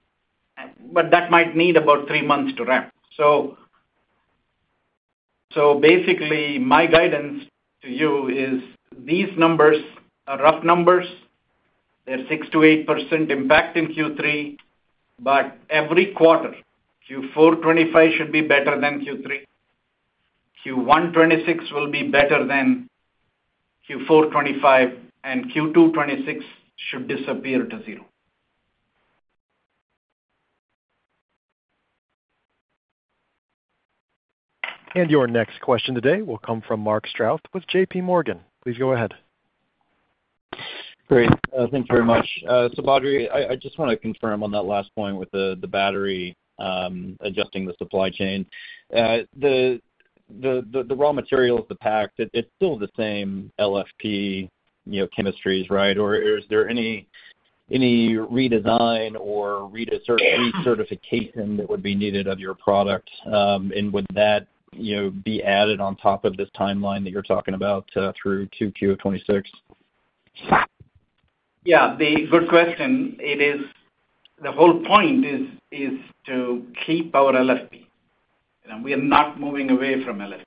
but that might need about three months to ramp. Basically, my guidance to you is these numbers are rough numbers. They are 6-8% impact in Q3. Every quarter, Q4 2025 should be better than Q3. Q1 2026 will be better than Q4 2025, and Q2 2026 should disappear to zero. Your next question today will come from Mark Strouse with JPMorgan. Please go ahead. Great. Thanks very much. Badri, I just want to confirm on that last point with the battery adjusting the supply chain. The raw materials, the pack, it is still the same LFP chemistries, right? Or is there any redesign or recertification that would be needed of your product? Would that be added on top of this timeline that you're talking about through Q2 2026? Yeah. Good question, the whole point is to keep our LFP. We are not moving away from LFP.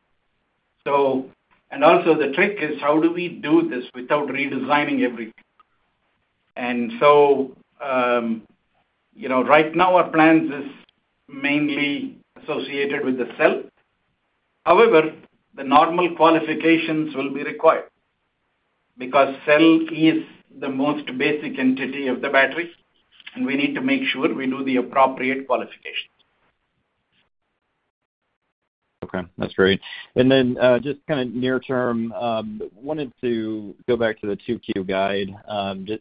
Also, the trick is how do we do this without redesigning everything? Right now, our plans are mainly associated with the cell. However, the normal qualifications will be required because cell is the most basic entity of the battery, and we need to make sure we do the appropriate qualifications. Okay. That's great. Just kind of near term, wanted to go back to the 2Q guide.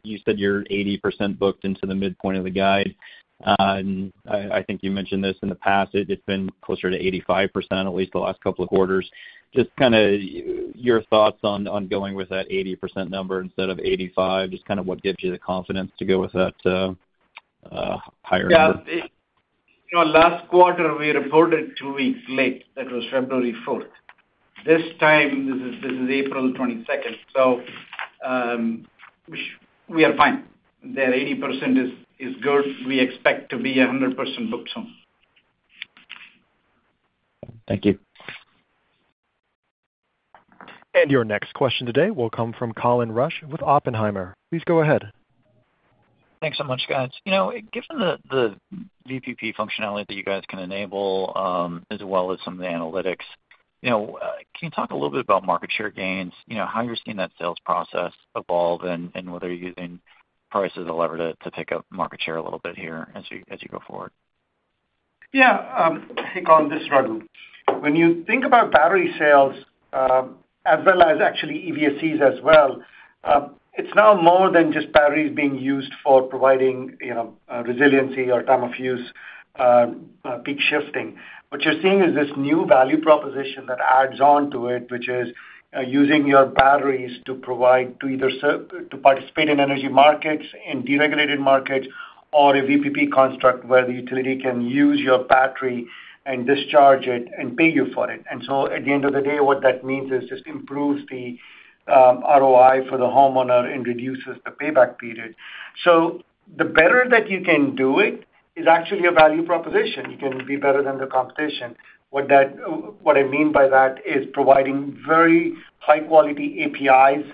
You said you're 80% booked into the midpoint of the guide. I think you mentioned this in the past. It's been closer to 85%, at least the last couple of quarters. Just kind of your thoughts on going with that 80% number instead of 85, just kind of what gives you the confidence to go with that higher number? Yeah. Last quarter, we reported two weeks late. That was February 4. This time, this is April 22. So we are fine. The 80% is good. We expect to be 100% booked soon. Thank you. Your next question today will come from Colin Rusch with Oppenheimer. Please go ahead. Thanks so much, guys. Given the VPP functionality that you guys can enable as well as some of the analytics, can you talk a little bit about market share gains, how you're seeing that sales process evolve, and whether you're using prices or leverage to pick up market share a little bit here as you go forward? Yeah. Hey, Colin, this is Raghu. When you think about battery sales as well as actually EVSEs as well, it's now more than just batteries being used for providing resiliency or time of use peak shifting. What you're seeing is this new value proposition that adds on to it, which is using your batteries to provide to either participate in energy markets, in deregulated markets, or a VPP construct where the utility can use your battery and discharge it and pay you for it. At the end of the day, what that means is just improves the ROI for the homeowner and reduces the payback period. The better that you can do it is actually a value proposition. You can be better than the competition. What I mean by that is providing very high-quality APIs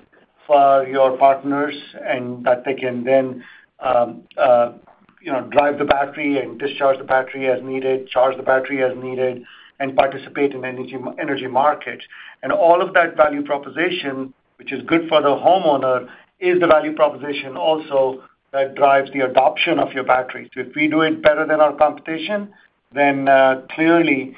for your partners and that they can then drive the battery and discharge the battery as needed, charge the battery as needed, and participate in energy markets. All of that value proposition, which is good for the homeowner, is the value proposition also that drives the adoption of your batteries. If we do it better than our competition, then clearly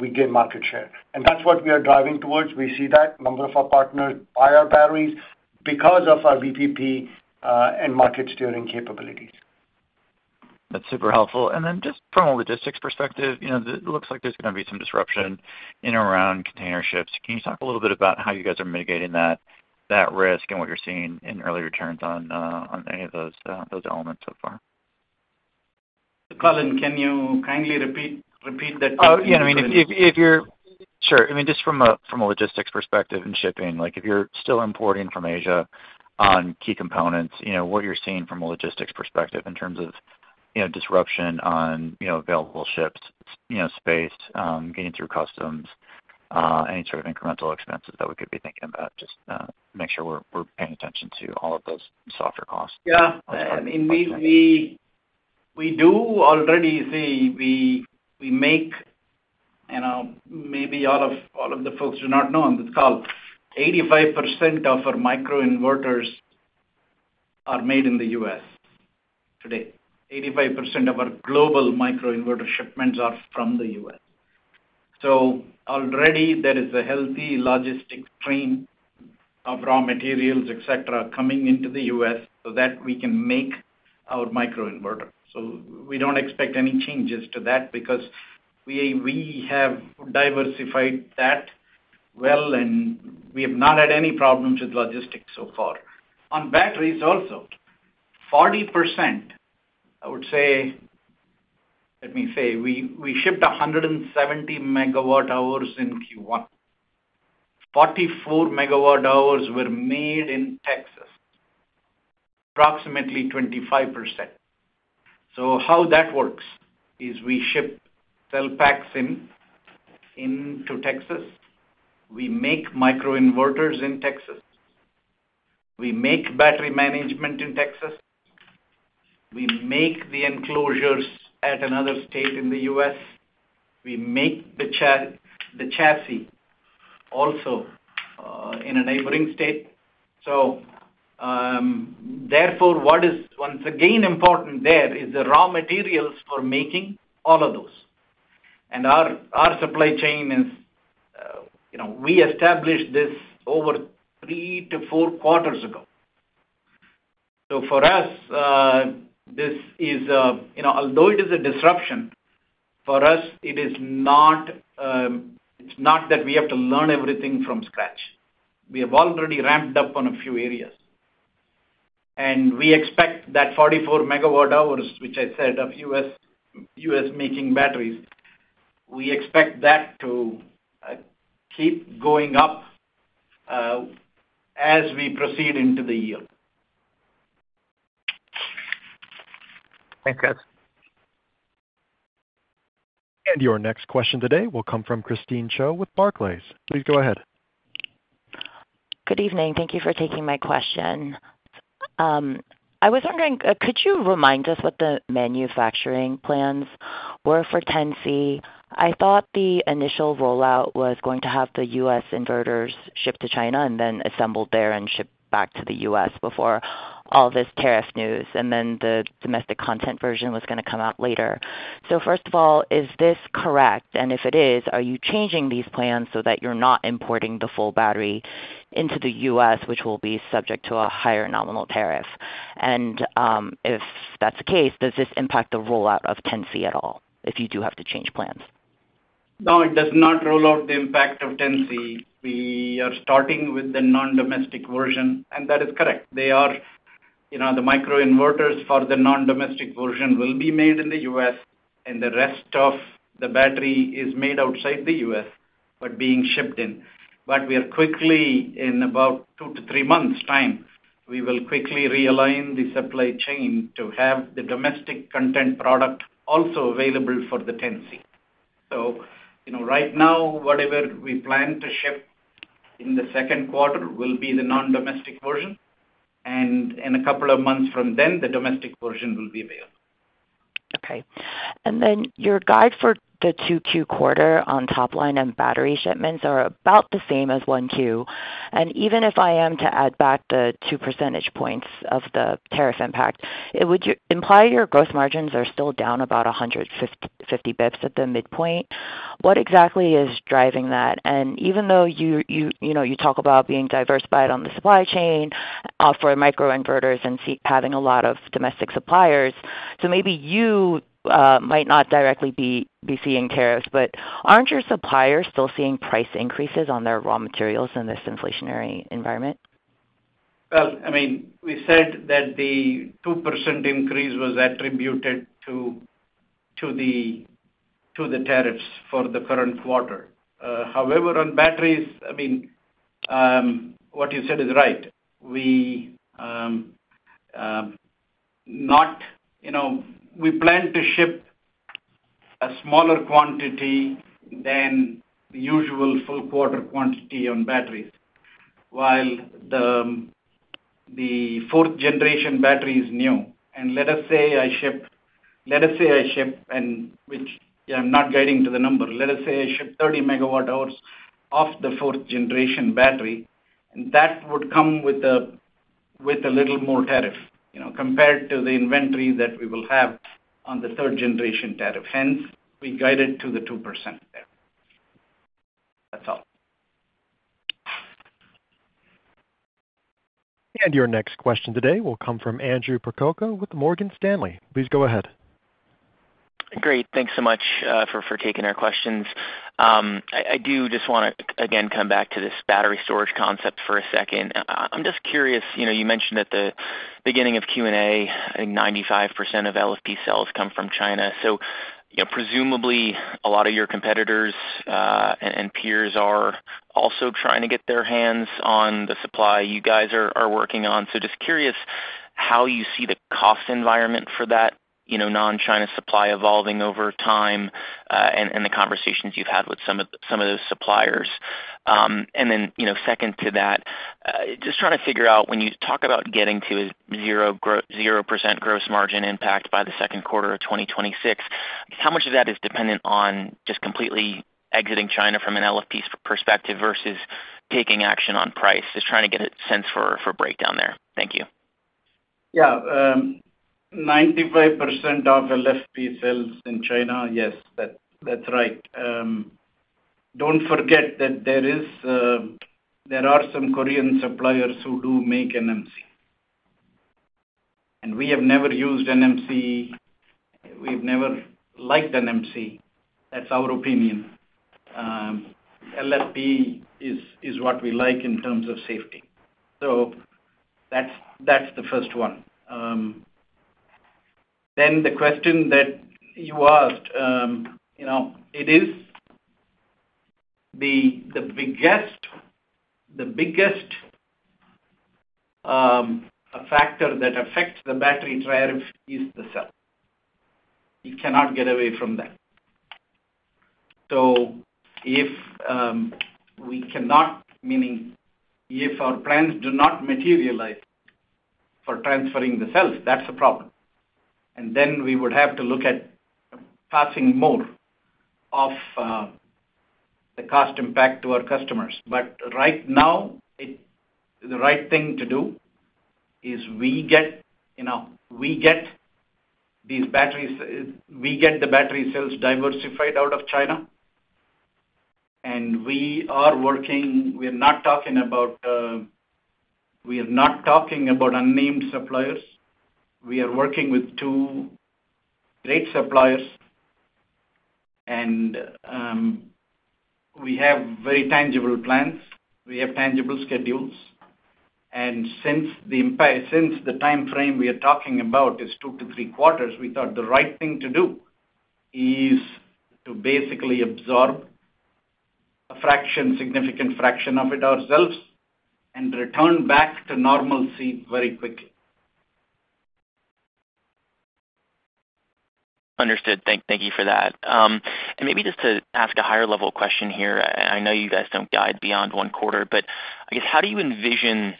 we gain market share. That is what we are driving towards. We see that a number of our partners buy our batteries because of our VPP and market steering capabilities. That is super helpful. Just from a logistics perspective, it looks like there is going to be some disruption in and around container ships. Can you talk a little bit about how you guys are mitigating that risk and what you're seeing in early returns on any of those elements so far? Colin, can you kindly repeat that question? Oh, yeah. I mean, if you're sure. I mean, just from a logistics perspective and shipping, if you're still importing from Asia on key components, what you're seeing from a logistics perspective in terms of disruption on available ships, space, getting through customs, any sort of incremental expenses that we could be thinking about, just make sure we're paying attention to all of those softer costs. Yeah. I mean, we do already say we make, maybe all of the folks do not know on this call, 85% of our microinverters are made in the U.S. today. 85% of our global microinverter shipments are from the U.S. Already, there is a healthy logistics stream of raw materials, et cetera, coming into the U.S. so that we can make our microinverter. We do not expect any changes to that because we have diversified that well, and we have not had any problems with logistics so far. On batteries also, 40%, I would say, let me say, we shipped 170 megawatt-hours in Q1. 44 megawatt-hours were made in Texas, approximately 25%. How that works is we ship cell packs into Texas. We make microinverters in Texas. We make battery management in Texas. We make the enclosures at another state in the U.S. We make the chassis also in a neighboring state. Therefore, what is once again important there is the raw materials for making all of those. Our supply chain is we established this over three to four quarters ago. For us, although it is a disruption, it is not that we have to learn everything from scratch. We have already ramped up on a few areas. We expect that 44 MWh, which I said of U.S. making batteries, to keep going up as we proceed into the year. Thanks, guys. Your next question today will come from Christine Cho with Barclays. Please go ahead. Good evening. Thank you for taking my question. I was wondering, could you remind us what the manufacturing plans were for Tennessee? I thought the initial rollout was going to have the U.S. inverters shipped to China and then assembled there and shipped back to the U.S. before all this tariff news, and then the domestic content version was going to come out later. First of all, is this correct? If it is, are you changing these plans so that you're not importing the full battery into the U.S., which will be subject to a higher nominal tariff? If that's the case, does this impact the rollout of Tennessee at all if you do have to change plans? No, it does not rule out the impact of Tennessee. We are starting with the non-domestic version, and that is correct. The microinverters for the non-domestic version will be made in the U.S., and the rest of the battery is made outside the U.S. but being shipped in. We are quickly, in about two to three months' time, going to realign the supply chain to have the domestic content product also available for Tennessee. Right now, whatever we plan to ship in the second quarter will be the non-domestic version. In a couple of months from then, the domestic version will be available. Okay. Your guide for the 2Q quarter on top line and battery shipments are about the same as 1Q. Even if I am to add back the 2 % points of the tariff impact, it would imply your gross margins are still down about 150 basis points at the midpoint. What exactly is driving that? Even though you talk about being diversified on the supply chain for microinverters and having a lot of domestic suppliers, so maybe you might not directly be seeing tariffs, but are not your suppliers still seeing price increases on their raw materials in this inflationary environment? I mean, we said that the 2% increase was attributed to the tariffs for the current quarter. However, on batteries, what you said is right. We plan to ship a smaller quantity than the usual full quarter quantity on batteries while the fourth generation battery is new. Let us say I ship, let us say I ship, and which I am not guiding to the number. Let us say I ship 30 megawatt-hours of the fourth generation battery, and that would come with a little more tariff compared to the inventory that we will have on the third generation tariff. Hence, we guided to the 2% there. That is all. Your next question today will come from Andrew Percoco with Morgan Stanley. Please go ahead. Great. Thanks so much for taking our questions. I do just want to, again, come back to this battery storage concept for a second. I am just curious. You mentioned at the beginning of Q&A, I think 95% of LFP cells come from China. Presumably, a lot of your competitors and peers are also trying to get their hands on the supply you guys are working on. Just curious how you see the cost environment for that non-China supply evolving over time and the conversations you've had with some of those suppliers. Second to that, just trying to figure out when you talk about getting to a 0% gross margin impact by the second quarter of 2026, how much of that is dependent on just completely exiting China from an LFP perspective versus taking action on price. Just trying to get a sense for breakdown there. Thank you. Yeah. 95% of LFP cells in China, yes, that's right. Don't forget that there are some Korean suppliers who do make NMC. We have never used NMC. We've never liked NMC. That's our opinion. LFP is what we like in terms of safety. That is the first one. The question that you asked, the biggest factor that affects the battery tariff is the cell. You cannot get away from that. If we cannot, meaning if our plans do not materialize for transferring the cells, that is a problem. We would have to look at passing more of the cost impact to our customers. Right now, the right thing to do is we get these batteries, we get the battery cells diversified out of China. We are working, we are not talking about unnamed suppliers. We are working with two great suppliers, and we have very tangible plans. We have tangible schedules. Since the time frame we are talking about is two to three quarters, we thought the right thing to do is to basically absorb a significant fraction of it ourselves and return back to normalcy very quickly. Understood. Thank you for that. Maybe just to ask a higher-level question here. I know you guys do not guide beyond one quarter, but I guess how do you envision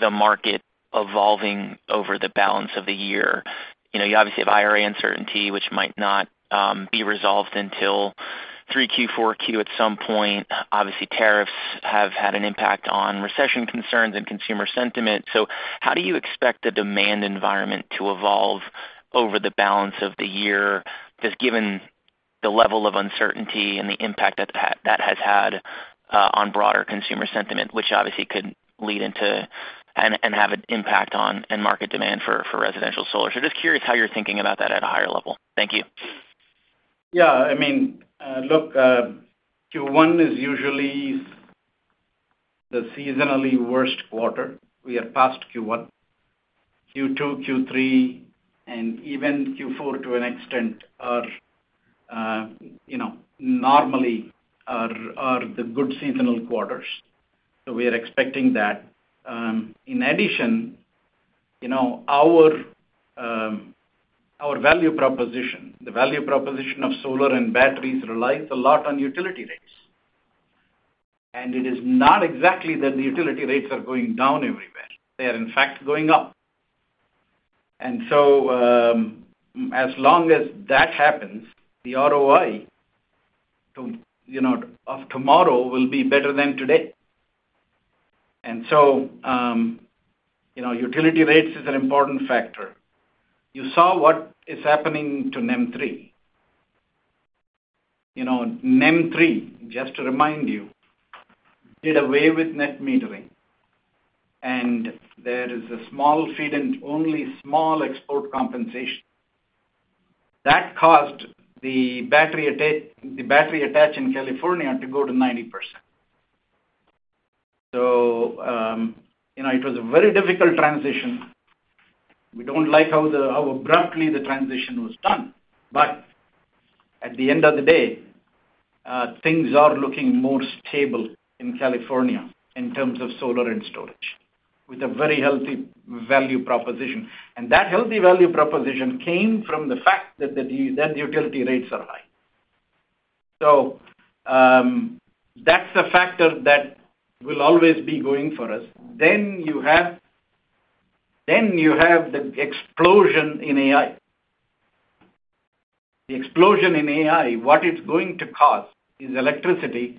the market evolving over the balance of the year? You obviously have IRA uncertainty, which might not be resolved until 3Q, 4Q at some point. Obviously, tariffs have had an impact on recession concerns and consumer sentiment. How do you expect the demand environment to evolve over the balance of the year, just given the level of uncertainty and the impact that that has had on broader consumer sentiment, which obviously could lead into and have an impact on market demand for residential solar? Just curious how you're thinking about that at a higher level. Thank you. Yeah. I mean, look, Q1 is usually the seasonally worst quarter. We are past Q1. Q2, Q3, and even Q4 to an extent are normally the good seasonal quarters. We are expecting that. In addition, our value proposition, the value proposition of solar and batteries relies a lot on utility rates. It is not exactly that the utility rates are going down everywhere. They are, in fact, going up. As long as that happens, the ROI of tomorrow will be better than today. Utility rates is an important factor. You saw what is happening to NEM 3. NEM 3, just to remind you, did away with net metering, and there is a small feed and only small export compensation. That caused the battery attach in California to go to 90%. It was a very difficult transition. We do not like how abruptly the transition was done. At the end of the day, things are looking more stable in California in terms of solar and storage with a very healthy value proposition. That healthy value proposition came from the fact that the utility rates are high. That is a factor that will always be going for us. You have the explosion in AI. The explosion in AI, what it's going to cause is electricity;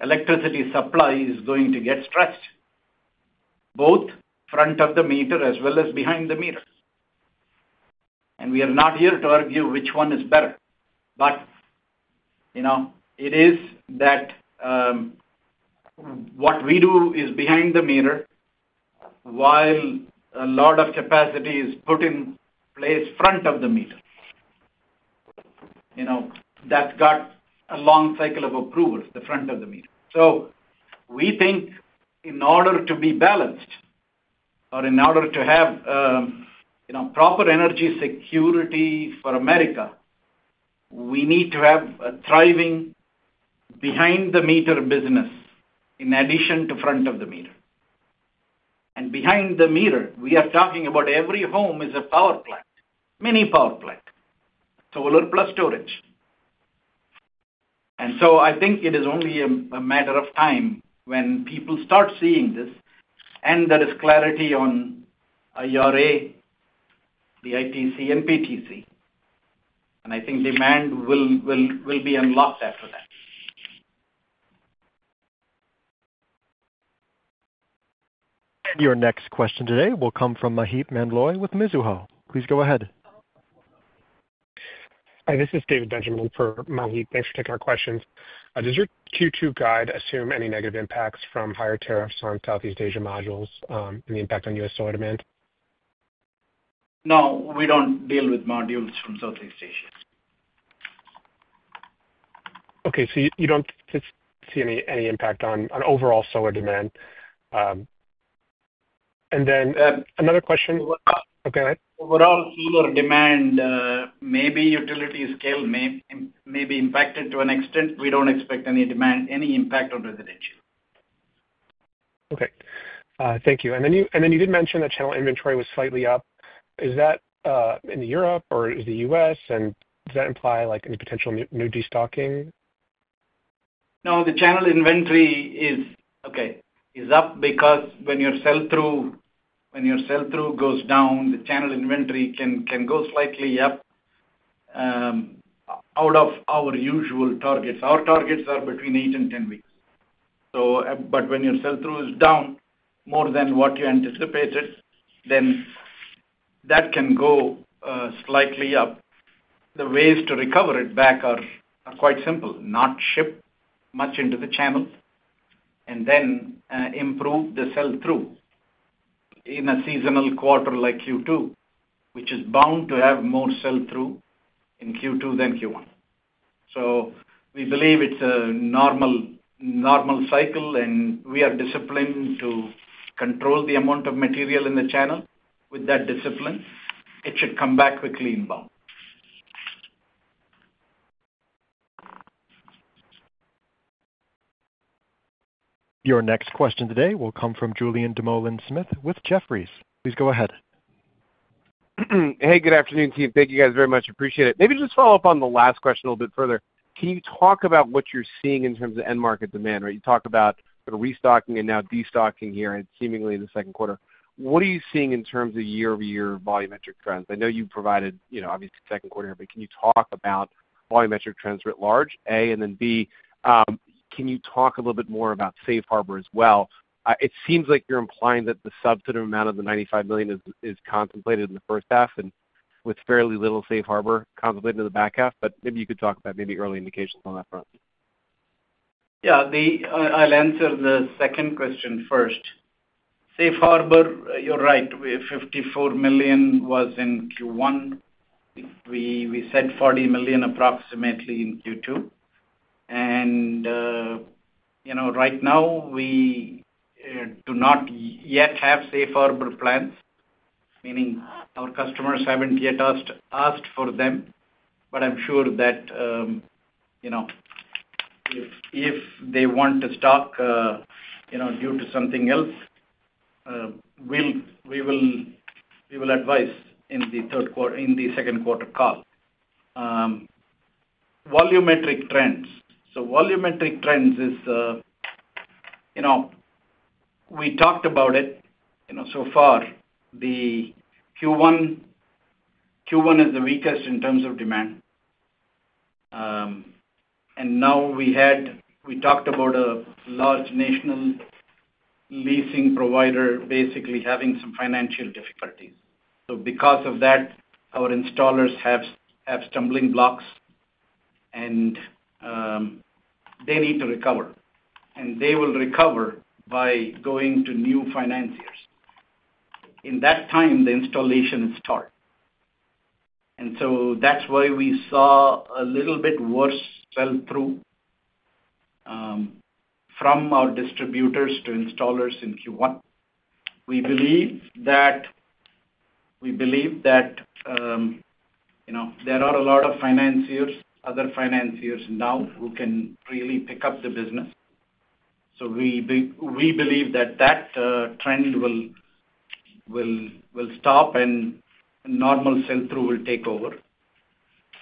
electricity supply is going to get stressed, both front of the meter as well as behind the meter. We are not here to argue which one is better. It is that what we do is behind the meter while a lot of capacity is put in place front of the meter. That got a long cycle of approvals, the front of the meter. We think in order to be balanced or in order to have proper energy security for America, we need to have a thriving behind-the-meter business in addition to front-of-the-meter. Behind the meter, we are talking about every home is a power plant, mini power plant, solar plus storage. I think it is only a matter of time when people start seeing this and there is clarity on IRA, the ITC, and PTC. I think demand will be unlocked after that. Your next question today will come from MaheepMandloy with Mizuho. Please go ahead. Hi, this is David Benjamin for Mahit. Thanks for taking our questions. Does your Q2 guide assume any negative impacts from higher tariffs on Southeast Asia modules and the impact on U.S. solar demand? No, we do not deal with modules from Southeast Asia. Okay. So you do not see any impact on overall solar demand. Another question. Overall solar demand, maybe utility scale may be impacted to an extent. We do not expect any impact on residential. Thank you. You did mention that channel inventory was slightly up. Is that in Europe or is the US..? Does that imply any potential new destocking? No, the channel inventory is okay. It is up because when your sell-through goes down, the channel inventory can go slightly up out of our usual targets. Our targets are between 8-10 weeks. When your sell-through is down more than what you anticipated, that can go slightly up. The ways to recover it back are quite simple. Not ship much into the channel and then improve the sell-through in a seasonal quarter like Q2, which is bound to have more sell-through in Q2 than Q1. We believe it is a normal cycle, and we are disciplined to control the amount of material in the channel. With that discipline, it should come back quickly in bulk. Your next question today will come from Julien Dumoulin-Smith with Jefferies. Please go ahead. Hey, good afternoon, team. Thank you guys very much. Appreciate it. Maybe just follow up on the last question a little bit further. Can you talk about what you're seeing in terms of end-market demand? You talked about restocking and now destocking here and seemingly in the second quarter. What are you seeing in terms of year-over-year volumetric trends? I know you provided obviously second quarter here, but can you talk about volumetric trends writ large, A, and then B, can you talk a little bit more about safe harbor as well? It seems like you're implying that the subset amount of the $95 million is contemplated in the first half and with fairly little safe harbor contemplated in the back half. Maybe you could talk about maybe early indications on that front. Yeah. I'll answer the second question first. Safe harbor, you're right. $54 million was in Q1. We said $40 million approximately in Q2. Right now, we do not yet have safe harbor plans, meaning our customers have not yet asked for them. I am sure that if they want to stock due to something else, we will advise in the second quarter call. Volumetric trends. Volumetric trends is we talked about it so far. Q1 is the weakest in terms of demand. We talked about a large national leasing provider basically having some financial difficulties. Because of that, our installers have stumbling blocks, and they need to recover. They will recover by going to new financiers. In that time, the installation is stalled. That is why we saw a little bit worse sell-through from our distributors to installers in Q1. We believe that there are a lot of financiers, other financiers now who can really pick up the business. We believe that that trend will stop and normal sell-through will take over.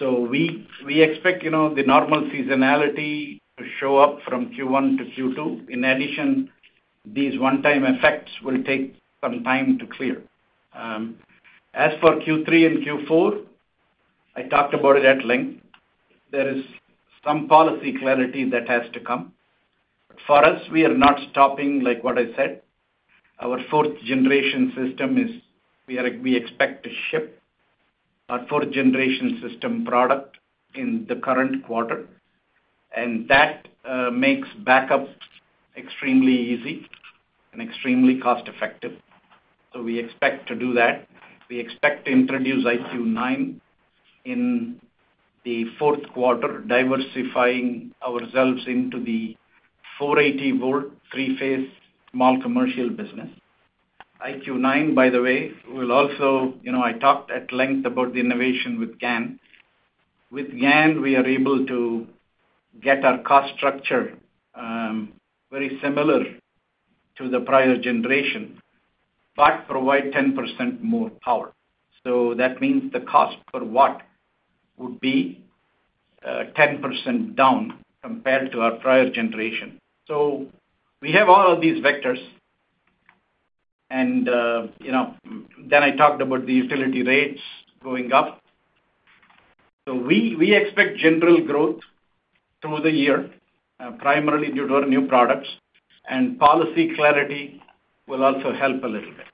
We expect the normal seasonality to show up from Q1 to Q2. In addition, these one-time effects will take some time to clear. As for Q3 and Q4, I talked about it at length. There is some policy clarity that has to come. For us, we are not stopping like what I said. Our fourth-generation system is we expect to ship our fourth-generation system product in the current quarter. That makes backup extremely easy and extremely cost-effective. We expect to do that. We expect to introduce IQ9 in the fourth quarter, diversifying ourselves into the 480-volt three-phase small commercial business. IQ9, by the way, will also I talked at length about the innovation with GaN. With GaN, we are able to get our cost structure very similar to the prior generation but provide 10% more power. That means the cost per watt would be 10% down compared to our prior generation. We have all of these vectors. I talked about the utility rates going up. We expect general growth through the year, primarily due to our new products. Policy clarity will also help a little bit.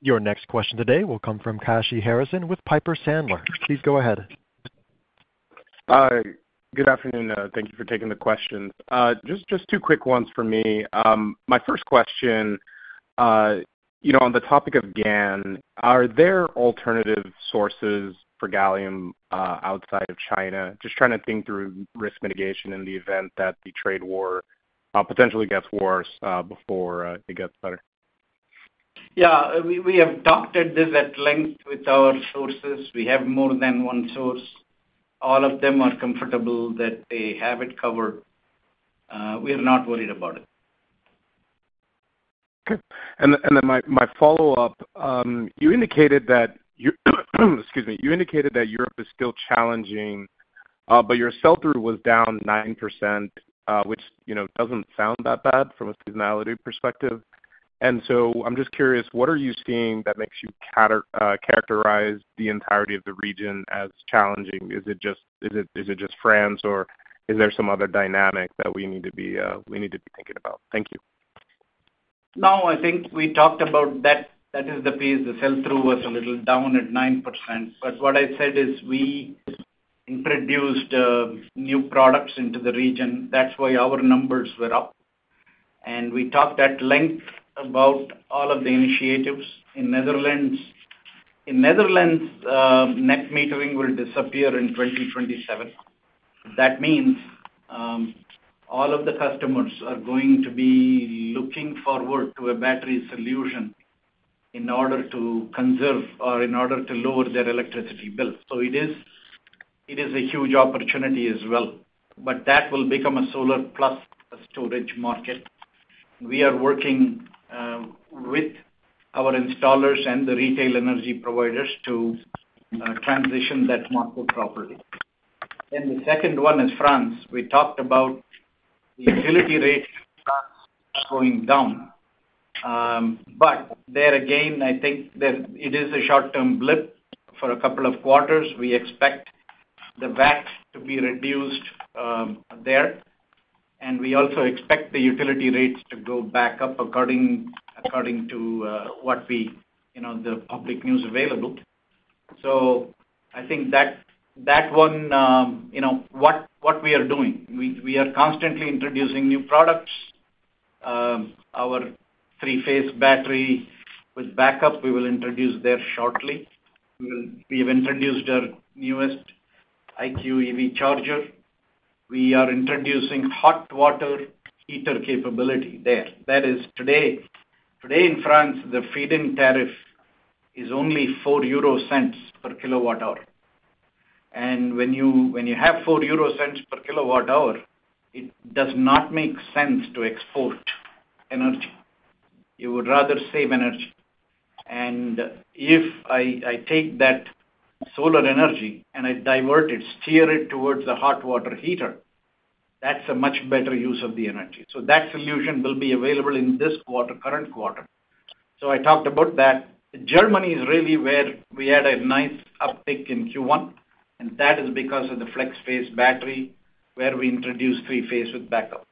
Your next question today will come from Kashy Harrison with Piper Sandler. Please go ahead. Hi. Good afternoon. Thank you for taking the questions. Just two quick ones for me. My first question, on the topic of GaN, are there alternative sources for gallium outside of China? Just trying to think through risk mitigation in the event that the trade war potentially gets worse before it gets better. Yeah. We have talked at this at length with our sources. We have more than one source. All of them are comfortable that they have it covered. We are not worried about it. Okay. My follow-up, you indicated that, excuse me, you indicated that Europe is still challenging, but your sell-through was down 9%, which does not sound that bad from a seasonality perspective. I am just curious, what are you seeing that makes you characterize the entirety of the region as challenging? Is it just France, or is there some other dynamic that we need to be thinking about? Thank you. No, I think we talked about that. That is the piece. The sell-through was a little down at 9%. What I said is we introduced new products into the region. That is why our numbers were up. We talked at length about all of the initiatives in Netherlands. In Netherlands, net metering will disappear in 2027. That means all of the customers are going to be looking forward to a battery solution in order to conserve or in order to lower their electricity bill. It is a huge opportunity as well. That will become a solar plus a storage market. We are working with our installers and the retail energy providers to transition that market properly. The second one is France. We talked about the utility rate in France going down. There again, I think it is a short-term blip for a couple of quarters. We expect the VAT to be reduced there. We also expect the utility rates to go back up according to what we see in the public news available. I think that one, what we are doing, we are constantly introducing new products. Our three-phase battery with backup, we will introduce there shortly. We have introduced our newest IQ EV charger. We are introducing hot water heater capability there. That is today. Today in France, the feed-in tariff is only 0.04 per kWh When you have 0.04 per kWh, it does not make sense to export energy. You would rather save energy. If I take that solar energy and I divert it, steer it towards a hot water heater, that is a much better use of the energy. That solution will be available in this current quarter. I talked about that. Germany is really where we had a nice uptick in Q1. That is because of the flex-phase battery where we introduced three-phase with backup.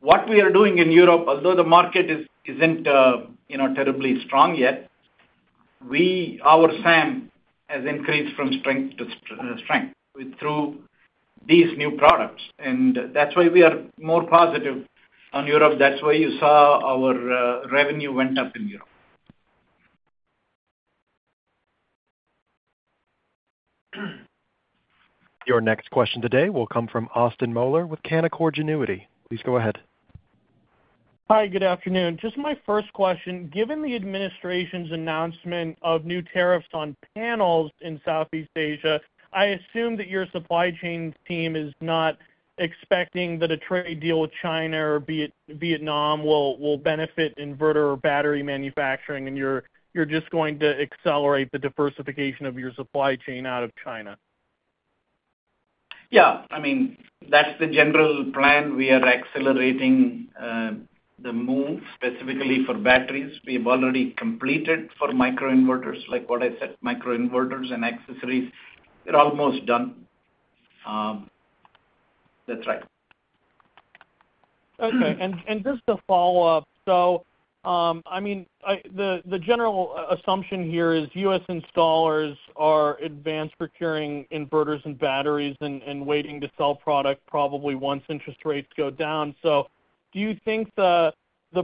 What we are doing in Europe, although the market isn't terribly strong yet, our SAM has increased from strength to strength through these new products. That is why we are more positive on Europe. That is why you saw our revenue went up in Europe. Your next question today will come from Austin Moeller with Canaccord Genuity. Please go ahead. Hi, good afternoon. Just my first question. Given the administration's announcement of new tariffs on panels in Southeast Asia, I assume that your supply chain team is not expecting that a trade deal with China or Vietnam will benefit inverter or battery manufacturing, and you are just going to accelerate the diversification of your supply chain out of China. Yeah. I mean, that is the general plan. We are accelerating the move specifically for batteries. We have already completed for microinverters. Like what I said, microinverters and accessories, we are almost done. That's right. Okay. Just to follow up, I mean, the general assumption here is U.S. installers are advanced procuring inverters and batteries and waiting to sell product probably once interest rates go down. Do you think the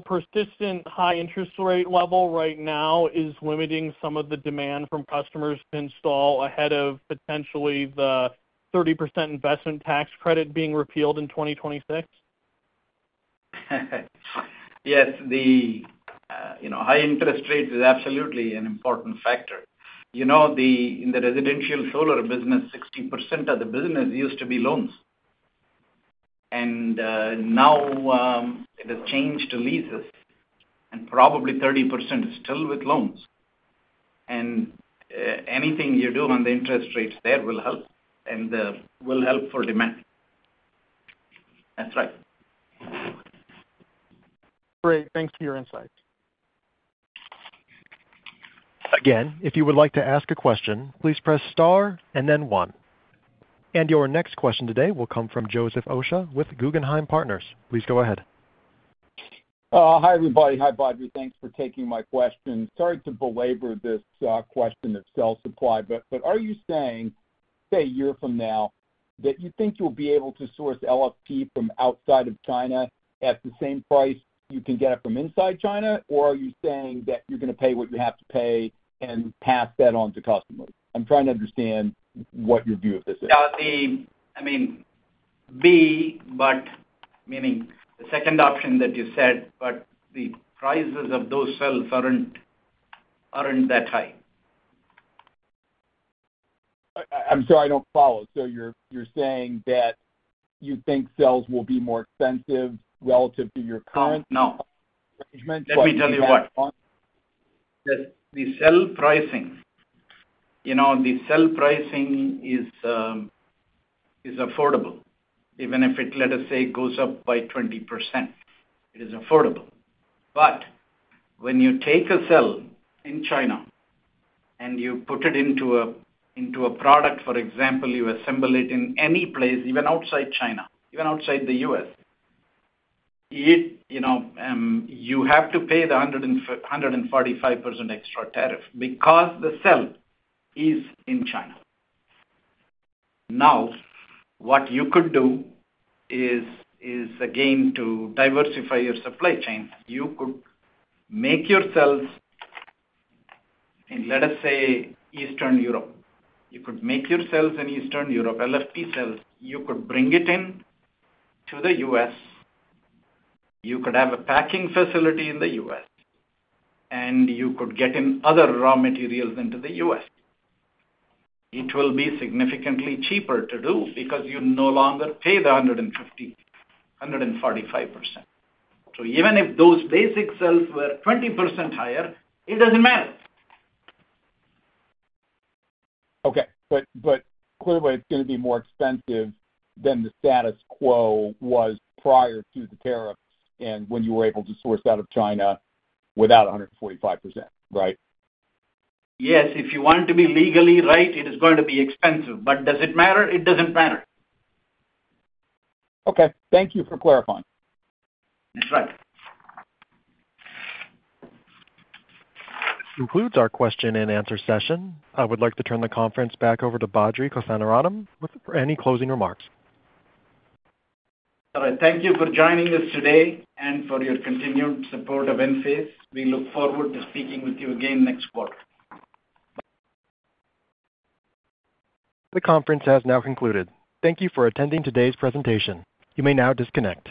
persistent high interest rate level right now is limiting some of the demand from customers to install ahead of potentially the 30% investment tax credit being repealed in 2026? Yes. The high interest rate is absolutely an important factor. In the residential solar business, 60% of the business used to be loans. Now it has changed to leases. Probably 30% is still with loans. Anything you do on the interest rates there will help and will help for demand. That's right. Great. Thanks for your insight. Again, if you would like to ask a question, please press star and then one. Your next question today will come from Joseph Osha with Guggenheim Partners. Please go ahead. Hi everybody. Hi Badri. Thanks for taking my question. Sorry to belabor this question of cell supply, but are you saying, say a year from now, that you think you'll be able to source LFP from outside of China at the same price you can get it from inside China? Or are you saying that you're going to pay what you have to pay and pass that on to customers? I'm trying to understand what your view of this is. I mean, B, but meaning the second option that you said, but the prices of those cells aren't that high. I'm sorry, I don't follow. So you're saying that you think cells will be more expensive relative to your current arrangement? No. Let me tell you what. The cell pricing, the cell pricing is affordable. Even if it, let us say, goes up by 20%, it is affordable. When you take a cell in China and you put it into a product, for example, you assemble it in any place, even outside China, even outside the U.S., you have to pay the 145% extra tariff because the cell is in China. What you could do is, again, to diversify your supply chain, you could make your cells in, let us say, Eastern Europe. You could make your cells in Eastern Europe, LFP cells. You could bring it in to the U.S. You could have a packing facility in the U.S. You could get in other raw materials into the U.S. It will be significantly cheaper to do because you no longer pay the 145%. Even if those basic cells were 20% higher, it doesn't matter. Okay. Clearly, it's going to be more expensive than the status quo was prior to the tariffs and when you were able to source out of China without 145%, right? Yes. If you want to be legally right, it is going to be expensive. Does it matter? It doesn't matter. Okay. Thank you for clarifying. That's right. This concludes our question and answer session. I would like to turn the conference back over to Badri Kothandaraman with any closing remarks. Thank you for joining us today and for your continued support of Enphase. We look forward to speaking with you again next quarter. The conference has now concluded. Thank you for attending today's presentation. You may now disconnect.